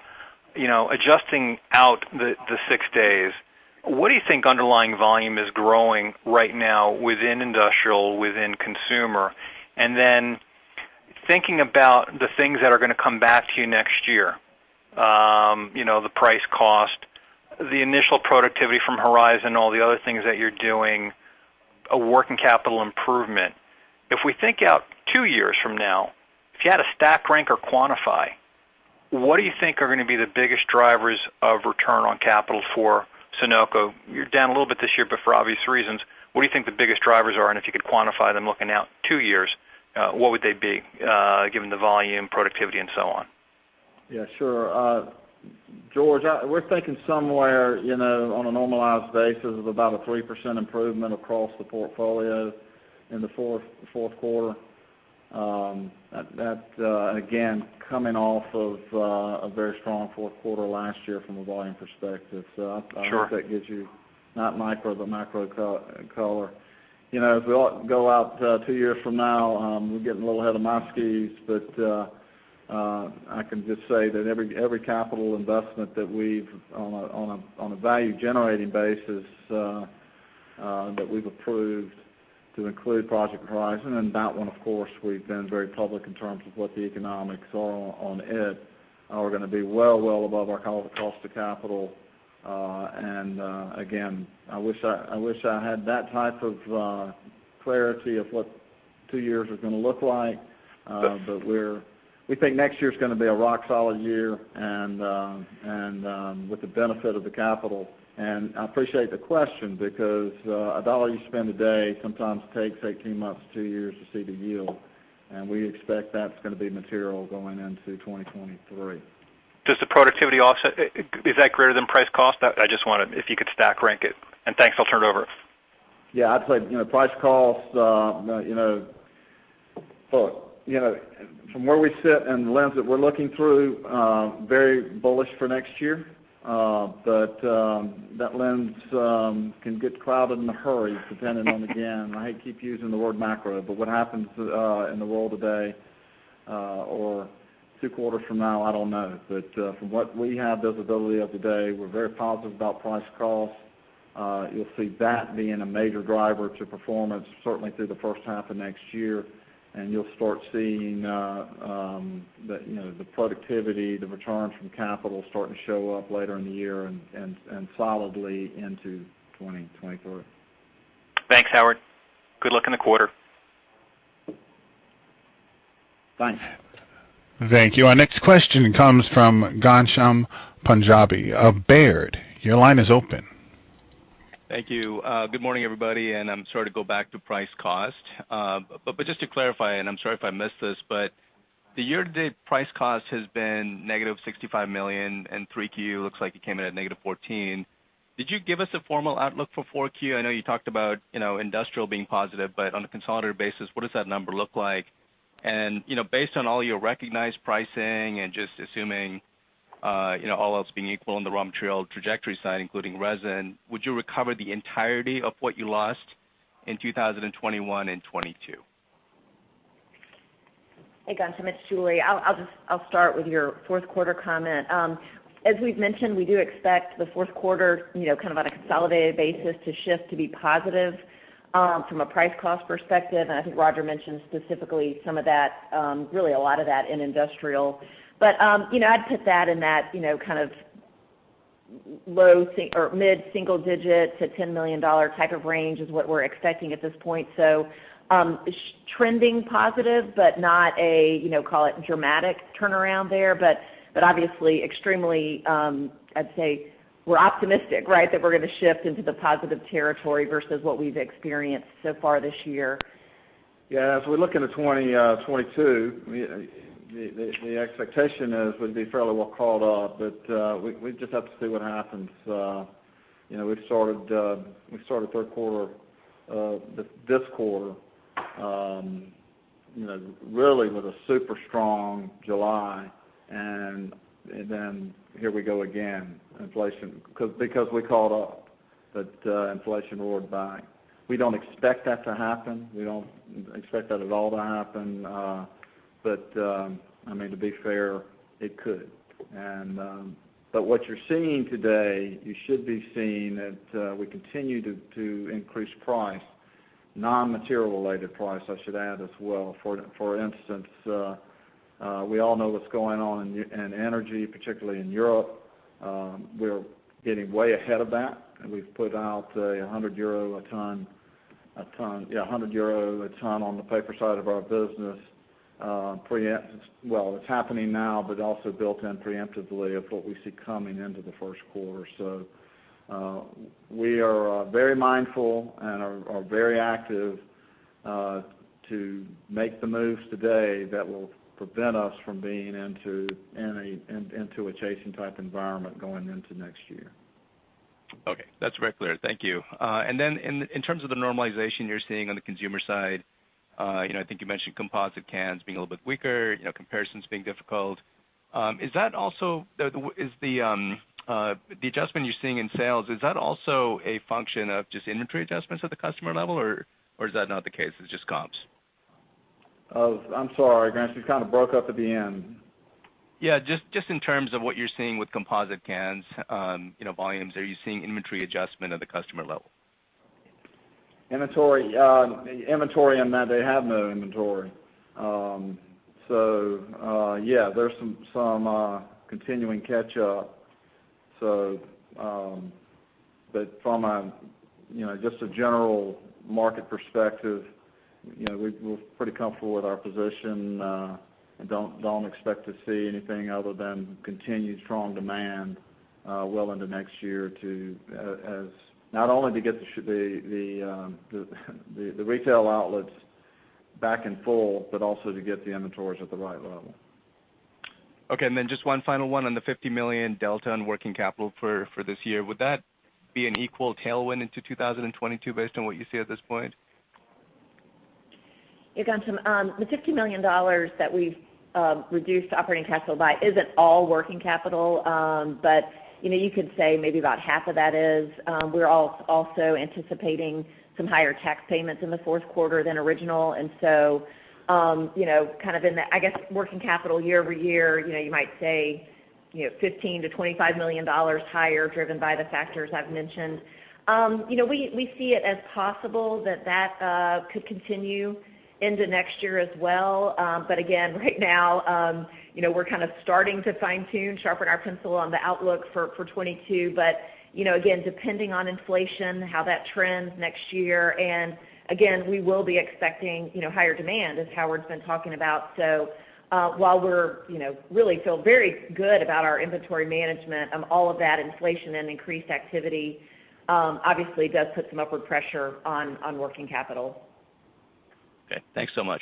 adjusting out the six days, what do you think underlying volume is growing right now within industrial, within consumer? Thinking about the things that are going to come back to you next year, the price-cost, the initial productivity from Horizon, all the other things that you're doing, a working capital improvement. If we think out two years from now, if you had to stack rank or quantify, what do you think are going to be the biggest drivers of return on capital for Sonoco? You're down a little bit this year, but for obvious reasons. What do you think the biggest drivers are? if you could quantify them looking out two years, what would they be given the volume, productivity, and so on? Yeah, sure. George, we're thinking somewhere on a normalized basis of about a 3% improvement across the portfolio in the fourth quarter. That, again, coming off of a very strong fourth quarter last year from a volume perspective. Sure. I hope that gives you not micro, the macro color. If we go out two years from now, we're getting a little ahead of my skis. I can just say that every capital investment that we've, on a value generating basis, that we've approved to include Project Horizon, and that one, of course, we've been very public in terms of what the economics are on it, are going to be well above our cost of capital. Again, I wish I had that type of clarity of what two years is going to look like. We think next year's going to be a rock solid year, and with the benefit of the capital. I appreciate the question because a dollar you spend today sometimes takes 18 months, two years to see the yield. We expect that's going to be material going into 2023. Is that greater than price-cost? I just wonder if you could stack rank it. Thanks, I'll turn it over. Yeah, I'd say price-cost. Look, from where we sit and the lens that we're looking through, very bullish for next year. That lens can get clouded in a hurry, depending on, again, I keep using the word macro, but what happens in the world today or two quarters from now, I don't know. From what we have visibility of today, we're very positive about price-cost. You'll see that being a major driver to performance certainly through the first half of next year, and you'll start seeing the productivity, the returns from capital starting to show up later in the year and solidly into 2024. Thanks, Howard. Good luck in the quarter. Thanks. Thank you. Our next question comes from Ghansham Panjabi of Baird. Your line is open. Thank you. Good morning, everybody, and I'm sorry to go back to price-cost. Just to clarify, and I'm sorry if I missed this, but the year-to-date price-cost has been negative $65 million, and Q3 looks like it came in at negative $14. Did you give us a formal outlook for Q4? I know you talked about industrial being positive, but on a consolidated basis, what does that number look like? Based on all your recognized pricing and just assuming all else being equal on the raw material trajectory side, including resin, would you recover the entirety of what you lost in 2021 and 2022? Hey, Ghansham. It's Julie. I'll start with your fourth quarter comment. As we've mentioned, we do expect the fourth quarter, on a consolidated basis, to shift to be positive from a price-cost perspective, and I think Rodger mentioned specifically some of that, really a lot of that, in industrial. I'd put that in that mid-single digit to $10 million type of range is what we're expecting at this point. Trending positive, but not a call it dramatic turnaround there. Obviously extremely, I'd say we're optimistic that we're going to shift into the positive territory versus what we've experienced so far this year. Yeah. As we look into 2022, the expectation is we'd be fairly well caught up, but we just have to see what happens. We started third quarter of this quarter really with a super strong July, and then here we go again. Because we caught up, but inflation roared back. We don't expect that to happen. We don't expect that at all to happen. To be fair, it could. What you're seeing today, you should be seeing that we continue to increase price. Non-material related price, I should add as well. For instance, we all know what's going on in energy, particularly in Europe. We're getting way ahead of that, and we've put out a 100 euro a ton on the paper side of our business. Well, it's happening now, but also built in preemptively of what we see coming into the first quarter. We are very mindful and are very active to make the moves today that will prevent us from being into a chasing type environment going into next year. Okay, that's very clear. Thank you. In terms of the normalization you're seeing on the consumer side, I think you mentioned composite cans being a little bit weaker, comparisons being difficult. The adjustment you're seeing in sales, is that also a function of just inventory adjustments at the customer level, or is that not the case, it's just comps? I'm sorry, Ghansham, you kind of broke up at the end. Yeah, just in terms of what you're seeing with composite cans volumes. Are you seeing inventory adjustment at the customer level? Inventory in that they have no inventory. Yeah, there's some continuing catch up. From just a general market perspective, we're pretty comfortable with our position, and don't expect to see anything other than continued strong demand well into next year to, not only to get the retail outlets back in full, but also to get the inventories at the right level. Okay, just one final one on the $50 million delta in working capital for this year. Would that be an equal tailwind into 2022 based on what you see at this point? Yeah, Ghansham, the $50 million that we've reduced operating cash flow by isn't all working capital. You could say maybe about half of that is. We're also anticipating some higher tax payments in the fourth quarter than original. In the, I guess, working capital year-over-year, you might say $15 million-$25 million higher driven by the factors I've mentioned. We see it as possible that that could continue into next year as well. Again, right now we're kind of starting to fine tune, sharpen our pencil on the outlook for 2022. Again, depending on inflation, how that trends next year. Again, we will be expecting higher demand as Howard's been talking about. While we really feel very good about our inventory management all of that inflation and increased activity obviously does put some upward pressure on working capital. Okay. Thanks so much.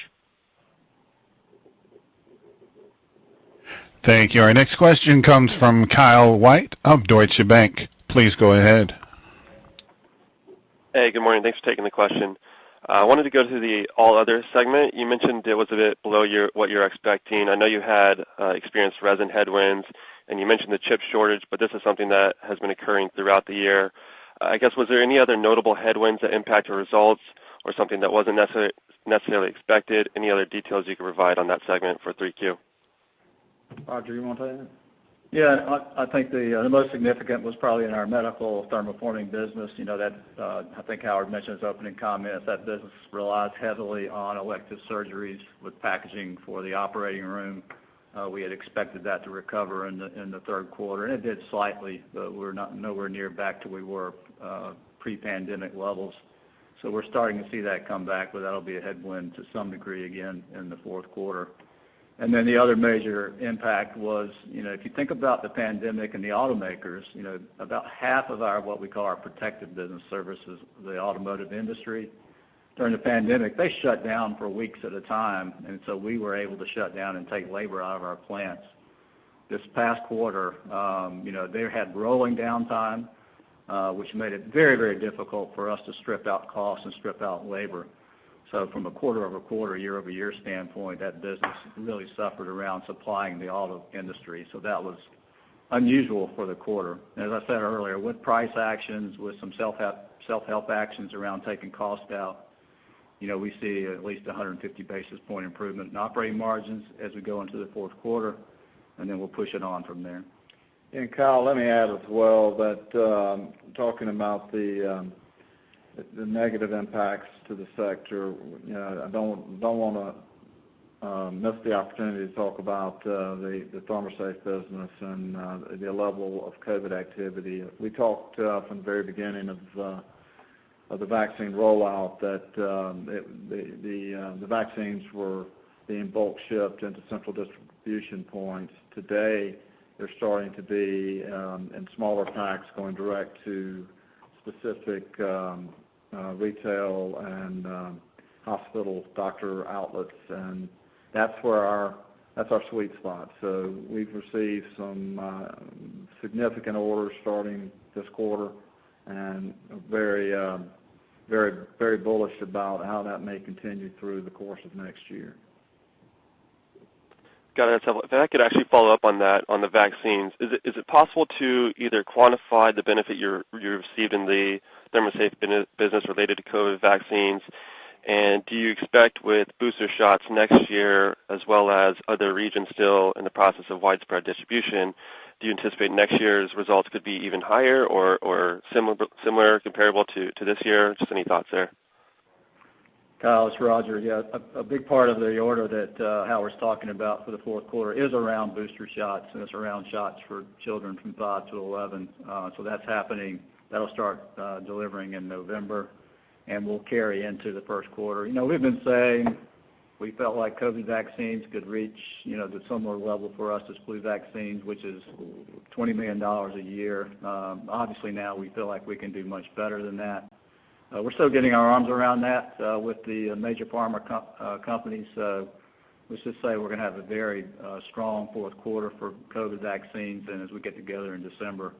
Thank you. Our next question comes from Kyle White of Deutsche Bank. Please go ahead. Hey, good morning. Thanks for taking the question. I wanted to go through the All Other segment. You mentioned it was a bit below what you're expecting. I know you had experienced resin headwinds, and you mentioned the chip shortage, but this is something that has been occurring throughout the year. I guess, was there any other notable headwinds that impact your results or something that wasn't necessarily expected? Any other details you could provide on that segment for 3Q? Rodger, you want to take that? I think the most significant was probably in our medical ThermoSafe business. I think Howard mentioned in his opening comments that business relies heavily on elective surgeries with packaging for the operating room. We had expected that to recover in the third quarter, and it did slightly, but we're nowhere near back to where we were pre-COVID-19 levels. We're starting to see that come back, but that'll be a headwind to some degree again in the fourth quarter. The other major impact was, if you think about the pandemic and the automakers, about half of what we call our protective business services, the automotive industry, during the pandemic, they shut down for weeks at a time. We were able to shut down and take labor out of our plants. This past quarter they had rolling downtime, which made it very difficult for us to strip out costs and strip out labor. From a quarter-over-quarter, year-over-year standpoint, that business really suffered around supplying the auto industry. That was unusual for the quarter. As I said earlier, with price actions, with some self-help actions around taking costs out, we see at least 150 basis point improvement in operating margins as we go into the fourth quarter, and then we'll push it on from there. Kyle, let me add as well that talking about the negative impacts to the sector, I don't want to miss the opportunity to talk about the ThermoSafe business and the level of COVID activity. We talked from the very beginning of the vaccine rollout that the vaccines were being bulk shipped into central distribution points. Today, they're starting to be in smaller packs going direct to specific retail and hospital doctor outlets, and that's our sweet spot. We've received some significant orders starting this quarter, and very bullish about how that may continue through the course of next year. Got it. If I could actually follow up on that, on the vaccines, is it possible to either quantify the benefit you're receiving, the ThermoSafe business related to COVID vaccines? Do you expect with booster shots next year, as well as other regions still in the process of widespread distribution, do you anticipate next year's results could be even higher or similar, comparable to this year? Just any thoughts there. Kyle, it's Rodger. Yeah, a big part of the order that Howard's talking about for the fourth quarter is around booster shots, and it's around shots for children from 5-11. That's happening. That'll start delivering in November and will carry into the first quarter. We've been saying we felt like COVID vaccines could reach the similar level for us as flu vaccines, which is $20 million a year. Obviously now we feel like we can do much better than that. We're still getting our arms around that with the major pharma companies. Let's just say we're going to have a very strong fourth quarter for COVID vaccines. As we get together in December,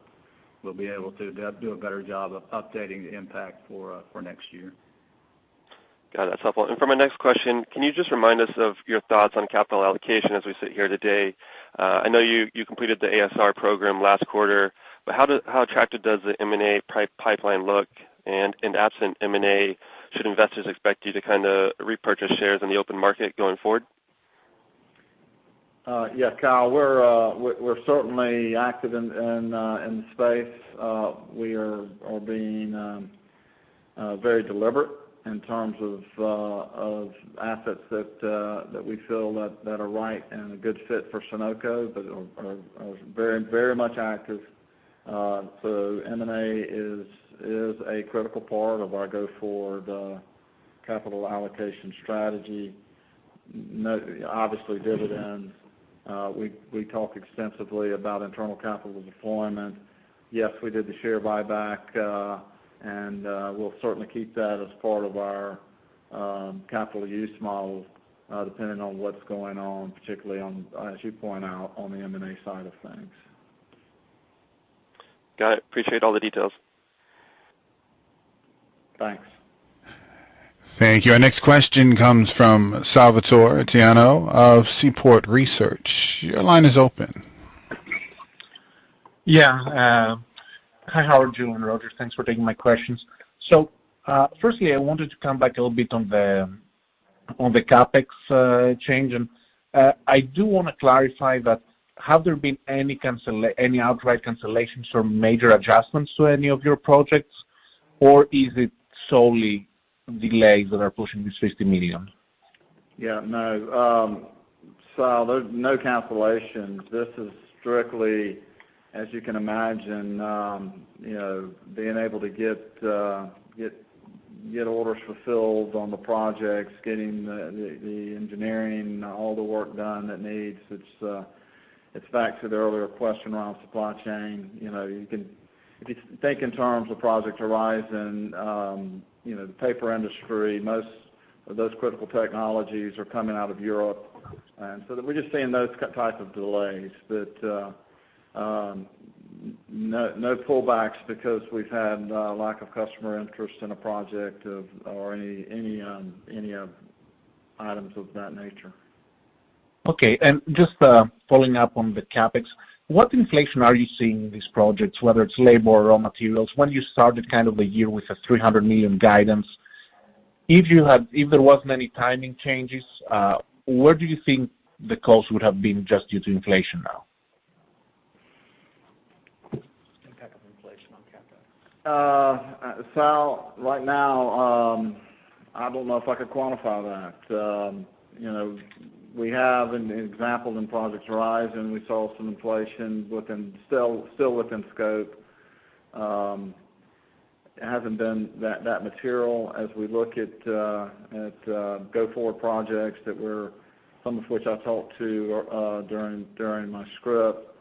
we'll be able to do a better job of updating the impact for next year. Got it. That's helpful. For my next question, can you just remind us of your thoughts on capital allocation as we sit here today? I know you completed the ASR program last quarter, but how attractive does the M&A pipeline look? In absent M&A, should investors expect you to kind of repurchase shares in the open market going forward? Kyle, we're certainly active in the space. We are being very deliberate in terms of assets that we feel that are right and a good fit for Sonoco but are very much active. M&A is a critical part of our go-forward capital allocation strategy. Obviously, dividends. We talk extensively about internal capital deployment. Yes, we did the share buyback, and we'll certainly keep that as part of our capital use model, depending on what's going on, particularly on, as you point out, on the M&A side of things. Got it. Appreciate all the details. Thanks. Thank you. Our next question comes from Salvator Tiano of Seaport Research. Your line is open. Yeah. Hi, Howard, Julie, Rodger. Thanks for taking my questions. Firstly, I wanted to come back a little bit on the CapEx change. I do want to clarify that, have there been any outright cancellations or major adjustments to any of your projects, or is it solely delays that are pushing this $50 million? Yeah. No. Sal, there's no cancellation. This is strictly, as you can imagine, being able to get orders fulfilled on the projects, getting the engineering, all the work done that needs. It's back to the earlier question around supply chain. If you think in terms of Project Horizon, the paper industry, most of those critical technologies are coming out of Europe. We're just seeing those type of delays. No pullbacks because we've had lack of customer interest in a project or any items of that nature. Okay. Just following up on the CapEx, what inflation are you seeing in these projects, whether it's labor or raw materials? When you started kind of the year with a $300 million guidance, if there wasn't any timing changes, where do you think the cost would have been just due to inflation now? Impact of inflation on CapEx. Sal, right now, I don't know if I could quantify that. We have an example in Project Horizon. We saw some inflation within scope. It hasn't been that material as we look at go-forward projects, some of which I talked to during my script.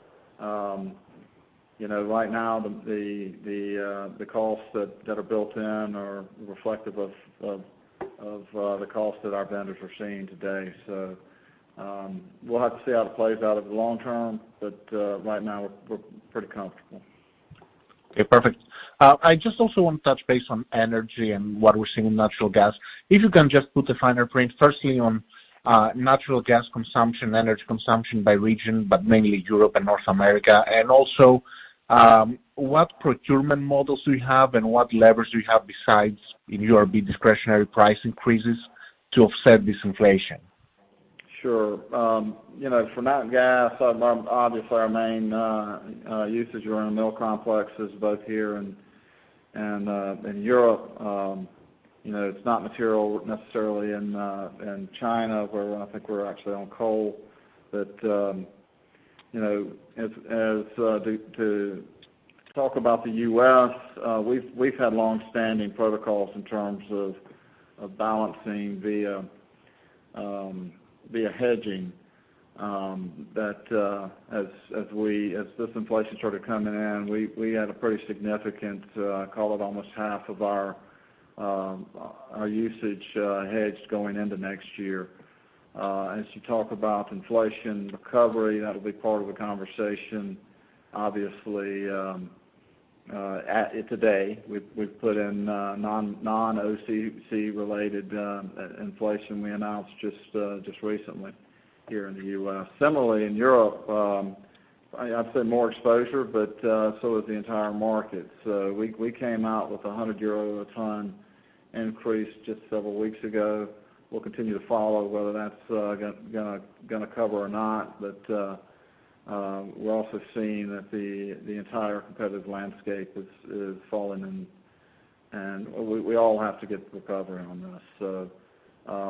Right now, the costs that are built in are reflective of the cost that our vendors are seeing today. We'll have to see how it plays out over the long term, but right now we're pretty comfortable. Okay, perfect. I just also want to touch base on energy and what we're seeing in natural gas. If you can just put the finer print, firstly, on natural gas consumption, energy consumption by region, but mainly Europe and North America. Also, what procurement models do you have and what levers do you have besides URB discretionary price increases to offset this inflation? Sure. For nat gas, obviously our main usage are in our mill complexes both here and in Europe. It's not material necessarily in China, where I think we're actually on coal. To talk about the U.S., we've had longstanding protocols in terms of balancing via hedging. That as this inflation started coming in, we had a pretty significant, call it almost half of our usage hedged going into next year. As you talk about inflation recovery, that'll be part of the conversation, obviously, today. We've put in non-OCC related inflation we announced just recently here in the U.S. Similarly, in Europe, I'd say more exposure, but so is the entire market. We came out with a 100 euro a ton increase just several weeks ago. We'll continue to follow whether that's going to cover or not, but we're also seeing that the entire competitive landscape is falling in, and we all have to get recovery on this.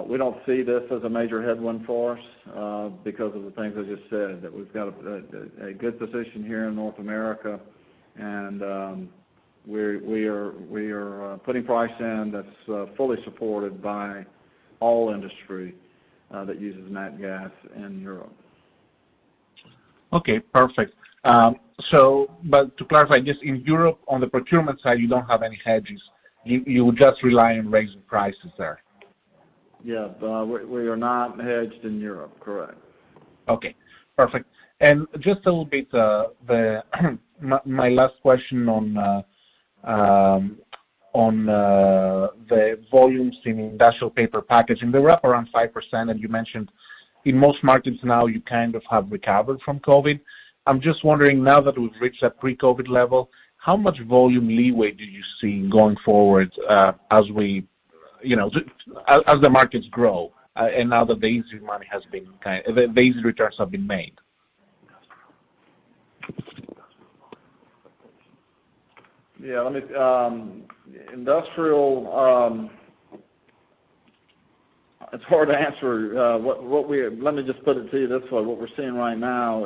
We don't see this as a major headwind for us because of the things I just said, that we've got a good position here in North America, and we are putting price in that's fully supported by all industry that uses nat gas in Europe. Okay, perfect. to clarify, just in Europe, on the procurement side, you don't have any hedges. You just rely on raising prices there? Yeah. We are not hedged in Europe. Correct. Okay, perfect. just a little bit, my last question on the volumes in industrial paper packaging. They were up around 5%, and you mentioned in most markets now you kind of have recovered from COVID. I'm just wondering now that we've reached that pre-COVID level, how much volume leeway do you see going forward as the markets grow and now that base returns have been made? Yeah. Industrial, it's hard to answer. Let me just put it to you this way. What we're seeing right now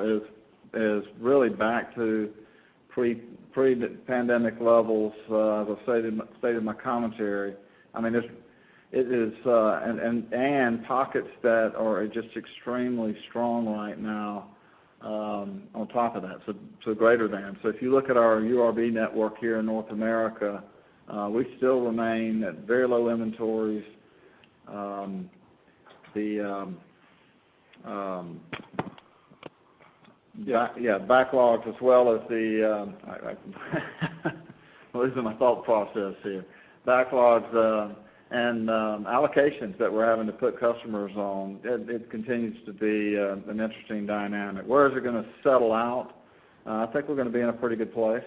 is really back to pre-pandemic levels as I stated in my commentary. Pockets that are just extremely strong right now on top of that, so greater than. If you look at our URB network here in North America, we still remain at very low inventories. Yeah, backlogs as well as the Losing my thought process here. Backlogs and allocations that we're having to put customers on. It continues to be an interesting dynamic. Where is it going to settle out? I think we're going to be in a pretty good place.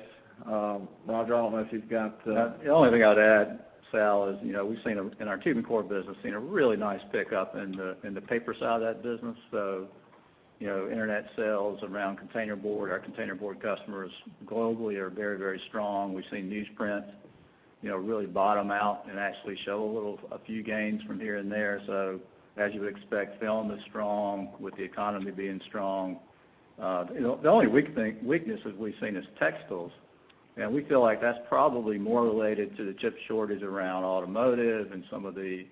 Rodger, I don't know if you've got- The only thing I'd add, Sal, is we've seen in our tube and core business, seen a really nice pickup in the paper side of that business. Internet sales around container board. Our container board customers globally are very strong. We've seen newsprint really bottom out and actually show a few gains from here and there. As you would expect, film is strong with the economy being strong. The only weakness that we've seen is textiles, and we feel like that's probably more related to the chip shortage around automotive and some of the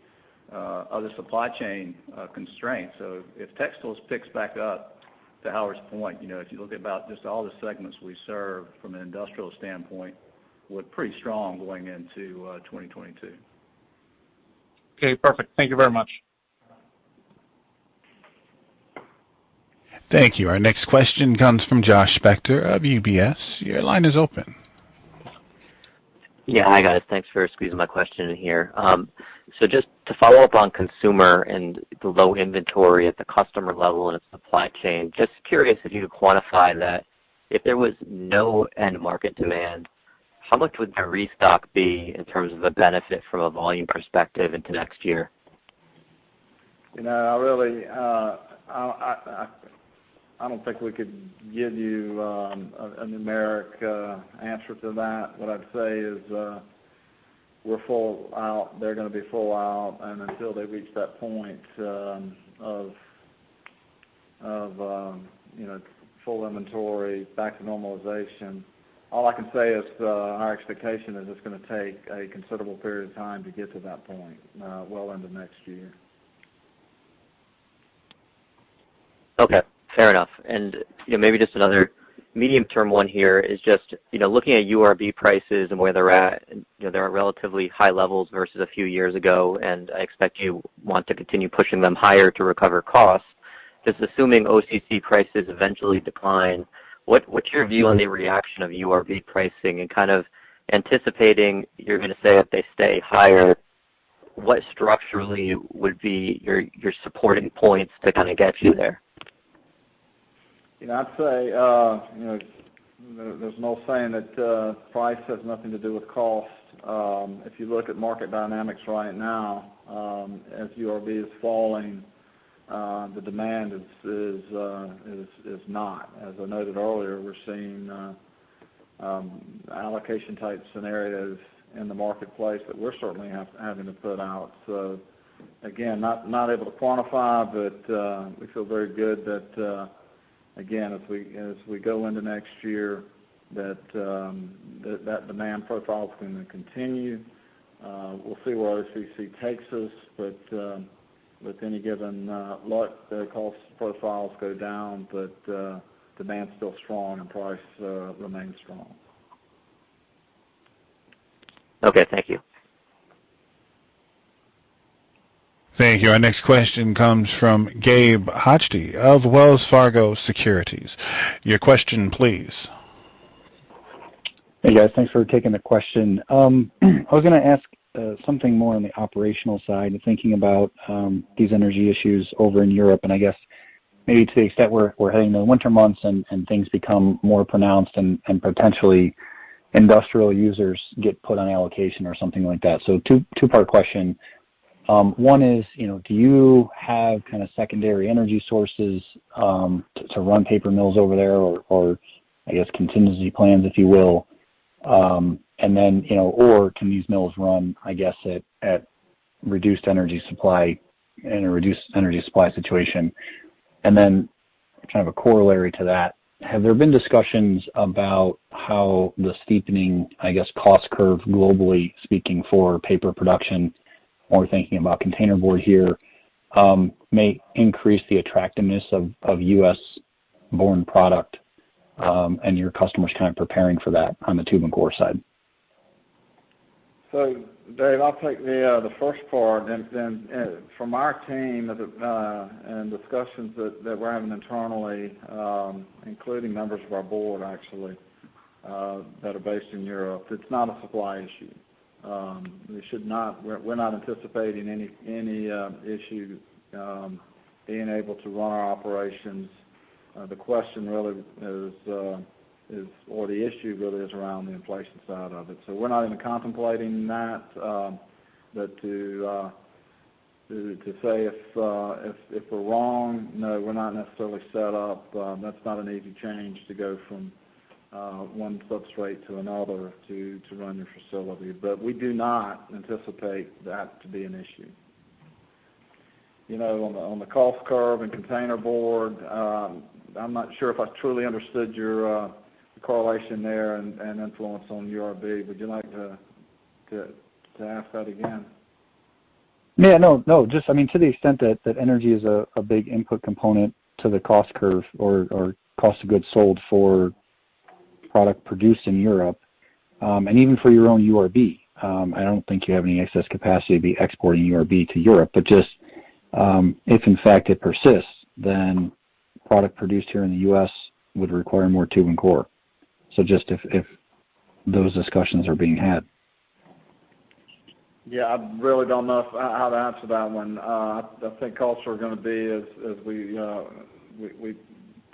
other supply chain constraints. If textiles picks back up, to Howard's point, if you look at about just all the segments we serve from an industrial standpoint, we're pretty strong going into 2022. Okay, perfect. Thank you very much. Thank you. Our next question comes from Josh Spector of UBS. Your line is open. Yeah. Hi, guys. Thanks for squeezing my question in here. Just to follow up on consumer and the low inventory at the customer level and its supply chain, just curious if you could quantify that. If there was no end market demand, how much would the restock be in terms of a benefit from a volume perspective into next year? I don't think we could give you a numeric answer to that. What I'd say is they're going to be full out, and until they reach that point of full inventory back to normalization, all I can say is our expectation is it's going to take a considerable period of time to get to that point well into next year. Okay, fair enough. Maybe just another medium-term one here is just looking at URB prices and where they're at, they're at relatively high levels versus a few years ago, and I expect you want to continue pushing them higher to recover costs. Just assuming OCC prices eventually decline, what's your view on the reaction of URB pricing and kind of anticipating you're going to say that they stay higher, what structurally would be your supporting points to kind of get you there? I'd say, there's an old saying that price has nothing to do with cost. If you look at market dynamics right now, as URB is falling, the demand is not. As I noted earlier, we're seeing allocation type scenarios in the marketplace that we're certainly having to put out. Again, not able to quantify, but we feel very good that, again, as we go into next year, that demand profile is going to continue. We'll see where OCC takes us, but with any given luck, the cost profiles go down, but demand's still strong and price remains strong. Okay, thank you. Thank you. Our next question comes from Gabe Hajde of Wells Fargo Securities. Your question please. Hey guys, thanks for taking the question. I was going to ask something more on the operational side and thinking about these energy issues over in Europe, and I guess maybe to the extent where we're heading into winter months and things become more pronounced and potentially industrial users get put on allocation or something like that. two-part question. One is, do you have kind of secondary energy sources to run paper mills over there or, I guess, contingency plans, if you will? can these mills run, I guess, at reduced energy supply in a reduced energy supply situation? kind of a corollary to that, have there been discussions about how the steepening, I guess, cost curve globally speaking for paper production, more thinking about container board here, may increase the attractiveness of U.S.-born product, and your customers kind of preparing for that on the tube and core side? Gabe, I'll take the first part. From our team and discussions that we're having internally, including members of our board actually, that are based in Europe, it's not a supply issue. We're not anticipating any issue being able to run our operations. The question really is or the issue really is around the inflation side of it. We're not even contemplating that. To say if we're wrong, no, we're not necessarily set up. That's not an easy change to go from one substrate to another to run your facility. We do not anticipate that to be an issue. On the cost curve and container board, I'm not sure if I truly understood your correlation there and influence on URB. Would you like to ask that again? Yeah. No, just I mean to the extent that energy is a big input component to the cost curve or cost of goods sold for product produced in Europe, and even for your own URB. I don't think you have any excess capacity to be exporting URB to Europe, but just if in fact it persists, then product produced here in the U.S. would require more tube and core. Just if those discussions are being had. Yeah, I really don't know how to answer that one.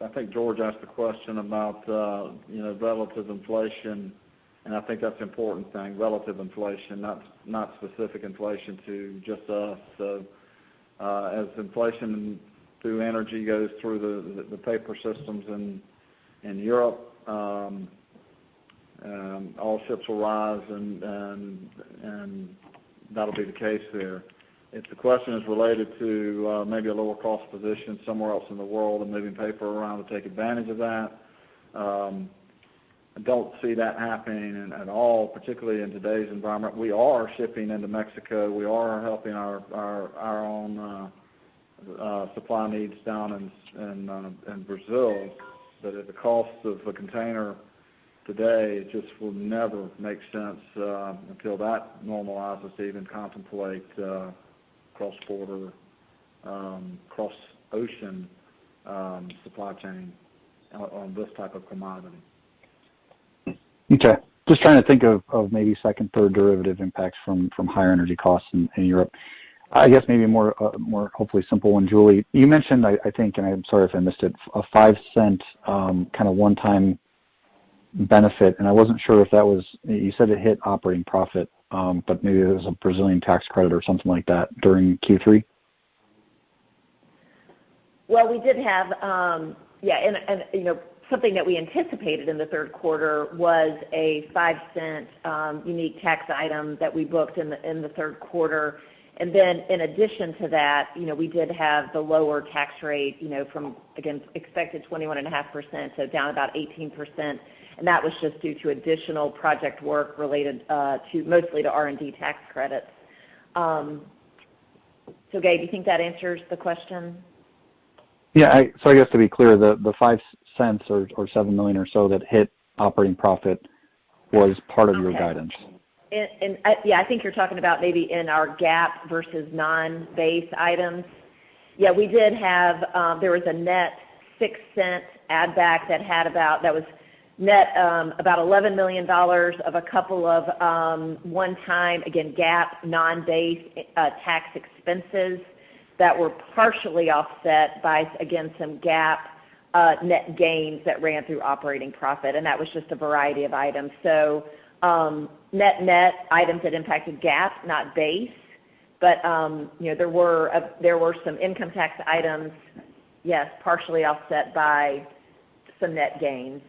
I think George asked a question about relative inflation, and I think that's an important thing, relative inflation, not specific inflation to just us. As inflation through energy goes through the paper systems in Europe, all ships will rise and that'll be the case there. If the question is related to maybe a lower cost position somewhere else in the world and moving paper around to take advantage of that, I don't see that happening at all, particularly in today's environment. We are shipping into Mexico. We are helping our own supply needs down in Brazil. At the cost of a container today, it just will never make sense until that normalizes to even contemplate cross-border, cross-ocean supply chain on this type of commodity. Okay. Just trying to think of maybe second, third derivative impacts from higher energy costs in Europe. I guess maybe a more, hopefully simpler one. Julie, you mentioned, I think, and I'm sorry if I missed it, a $0.05 kind of one time benefit, and I wasn't sure if that was. You said it hit operating profit, but maybe it was a Brazilian tax credit or something like that during Q3. Well, we did have something that we anticipated in the third quarter was a $0.05 unique tax item that we booked in the third quarter. In addition to that, we did have the lower tax rate from, again, expected 21.5%, so down about 18%, and that was just due to additional project work related mostly to R&D tax credits. Gabe, do you think that answers the question? Yeah. I guess to be clear, the $0.05 or $7 million or so that hit operating profit was part of your guidance. Okay. Yeah, I think you're talking about maybe in our GAAP versus non-base items. Yeah, there was a net $0.06 add back that was net about $11 million of a couple of one-time, again, GAAP non-base tax expenses that were partially offset by, again, some GAAP net gains that ran through operating profit, and that was just a variety of items. Net items that impacted GAAP, not base. There were some income tax items, yes, partially offset by some net gains.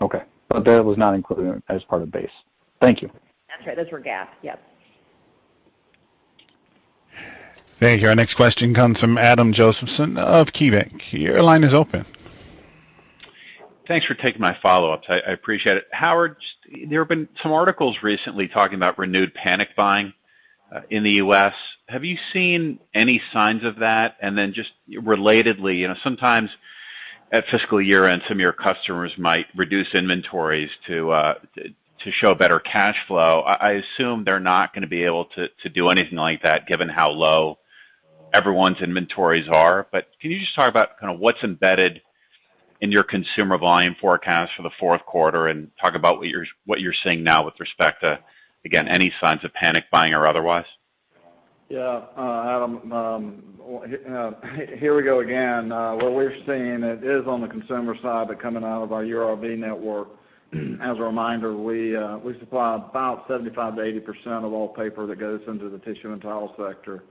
Okay. that was not included as part of base. Thank you. That's right. Those were GAAP. Yep. Thank you. Our next question comes from Adam Josephson of KeyBanc. Your line is open. Thanks for taking my follow-ups. I appreciate it. Howard, there have been some articles recently talking about renewed panic buying in the U.S. Have you seen any signs of that? Just relatedly, sometimes at fiscal year-end, some of your customers might reduce inventories to show better cash flow. I assume they're not going to be able to do anything like that given how low everyone's inventories are. Can you just talk about what's embedded in your consumer volume forecast for the fourth quarter and talk about what you're seeing now with respect to, again, any signs of panic buying or otherwise? Yeah. Adam, here we go again. What we're seeing, it is on the consumer side, but coming out of our URB network. As a reminder, we supply about 75% to 80% of all paper that goes into the tissue and towel sector.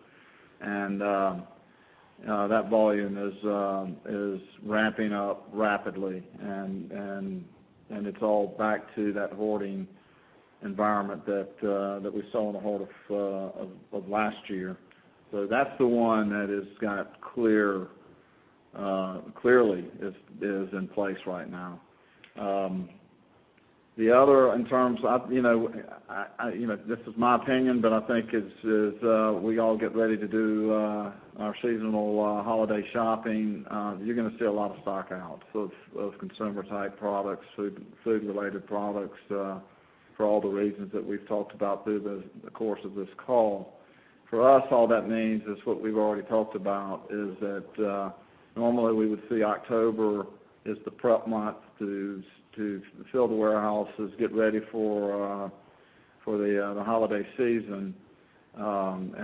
That volume is ramping up rapidly, and it's all back to that hoarding environment that we saw in the whole of last year. That's the one that clearly is in place right now. This is my opinion, but I think as we all get ready to do our seasonal holiday shopping, you're going to see a lot of stock out of those consumer-type products, food-related products, for all the reasons that we've talked about through the course of this call. For us, all that means is what we've already talked about, is that normally we would see October is the prep month to fill the warehouses, get ready for the holiday season.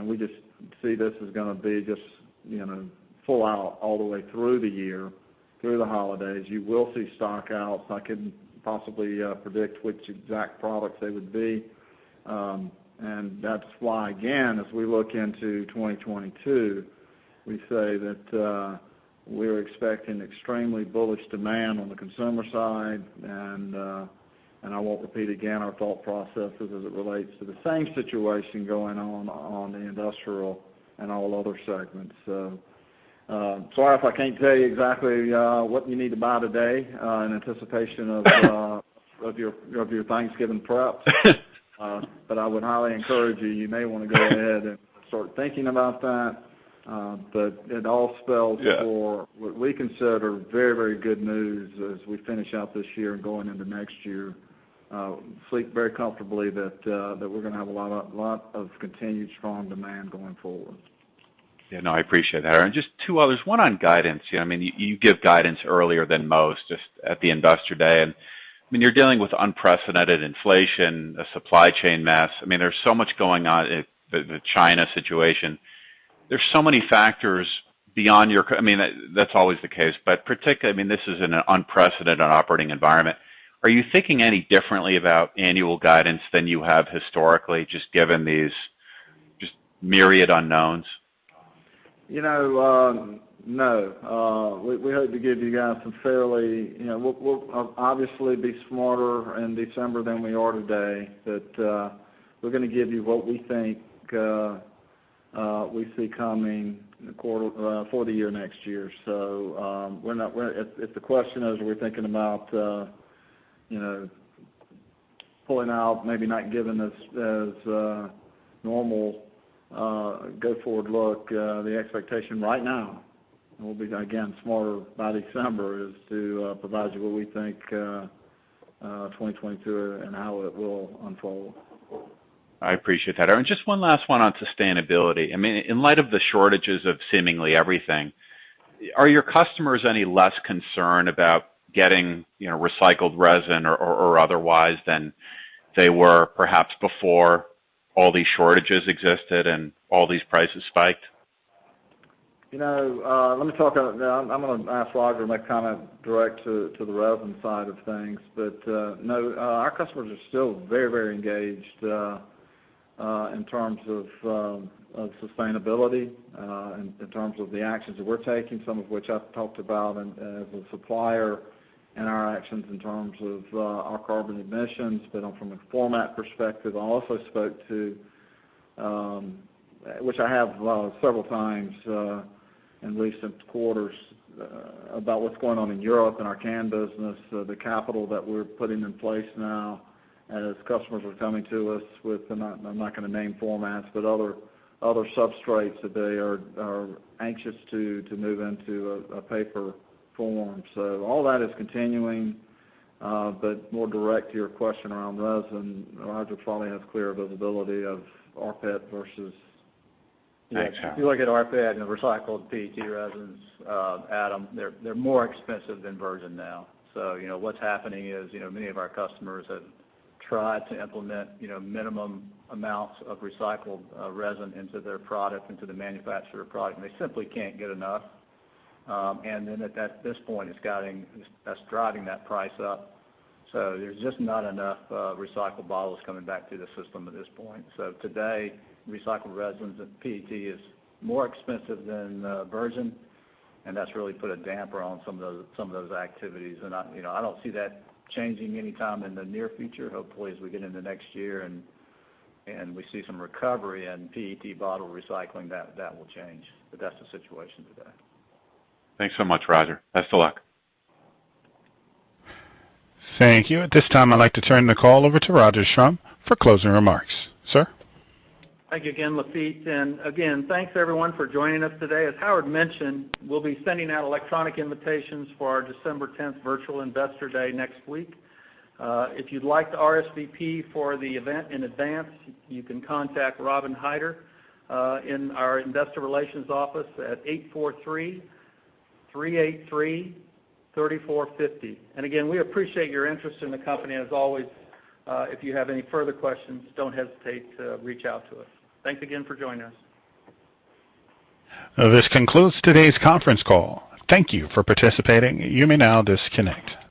We just see this is going to be just full out all the way through the year, through the holidays. You will see stock outs. I couldn't possibly predict which exact products they would be. That's why, again, as we look into 2022, we say that we're expecting extremely bullish demand on the consumer side. I won't repeat again our thought processes as it relates to the same situation going on the industrial and All Other segments. Sorry if I can't tell you exactly what you need to buy today in anticipation of your Thanksgiving prep. I would highly encourage you may want to go ahead and start thinking about that. It all spells for what we consider very good news as we finish out this year and going into next year. Sleep very comfortably that we're going to have a lot of continued strong demand going forward. Yeah, no, I appreciate that, Howard. Just two others. One on guidance. You give guidance earlier than most, at the Investor Day. You're dealing with unprecedented inflation, a supply chain mess. There's so much going on, the China situation. There's so many factors. That's always the case, but this is an unprecedented operating environment. Are you thinking any differently about annual guidance than you have historically, just given these myriad unknowns? No. We'll obviously be smarter in December than we are today. We're going to give you what we think we see coming for the year next year. If the question is, are we thinking about pulling out, maybe not giving as normal go-forward look, the expectation right now, and we'll be, again, smarter by December, is to provide you what we think 2022 and how it will unfold. I appreciate that, Howard. Just one last one on sustainability. In light of the shortages of seemingly everything, are your customers any less concerned about getting recycled resin or otherwise than they were perhaps before all these shortages existed and all these prices spiked? Let me talk. I'm going to ask Rodger to make comment direct to the resin side of things. No, our customers are still very engaged in terms of sustainability, in terms of the actions that we're taking, some of which I've talked about as a supplier in our actions in terms of our carbon emissions. From a format perspective, I also spoke to, which I have several times in recent quarters about what's going on in Europe and our can business, the capital that we're putting in place now as customers are coming to us with, I'm not going to name formats, but other substrates that they are anxious to move into a paper form. All that is continuing. More direct to your question around resin, Rodger probably has clearer visibility of rPET versus- Thanks, Howard. If you look at rPET and the recycled PET resins, Adam, they're more expensive than virgin now. what's happening is, many of our customers have tried to implement minimum amounts of recycled resin into their product, into the manufacturer product, and they simply can't get enough. then at this point, it's driving that price up. there's just not enough recycled bottles coming back through the system at this point. today, recycled resins and PET is more expensive than virgin, and that's really put a damper on some of those activities. I don't see that changing anytime in the near future. Hopefully, as we get into next year and we see some recovery in PET bottle recycling, that will change. that's the situation today. Thanks so much, Rodger. Best of luck. Thank you. At this time, I'd like to turn the call over to Roger Schrum for closing remarks. Sir? Thank you again, Lateef. Again, thanks, everyone, for joining us today. As Howard mentioned, we'll be sending out electronic invitations for our December 10th virtual investor day next week. If you'd like to RSVP for the event in advance, you can contact Lisa Weeks in our investor relations office at 843-383-3450. Again, we appreciate your interest in the company, as always. If you have any further questions, don't hesitate to reach out to us. Thanks again for joining us. This concludes today's conference call. Thank you for participating. You may now disconnect.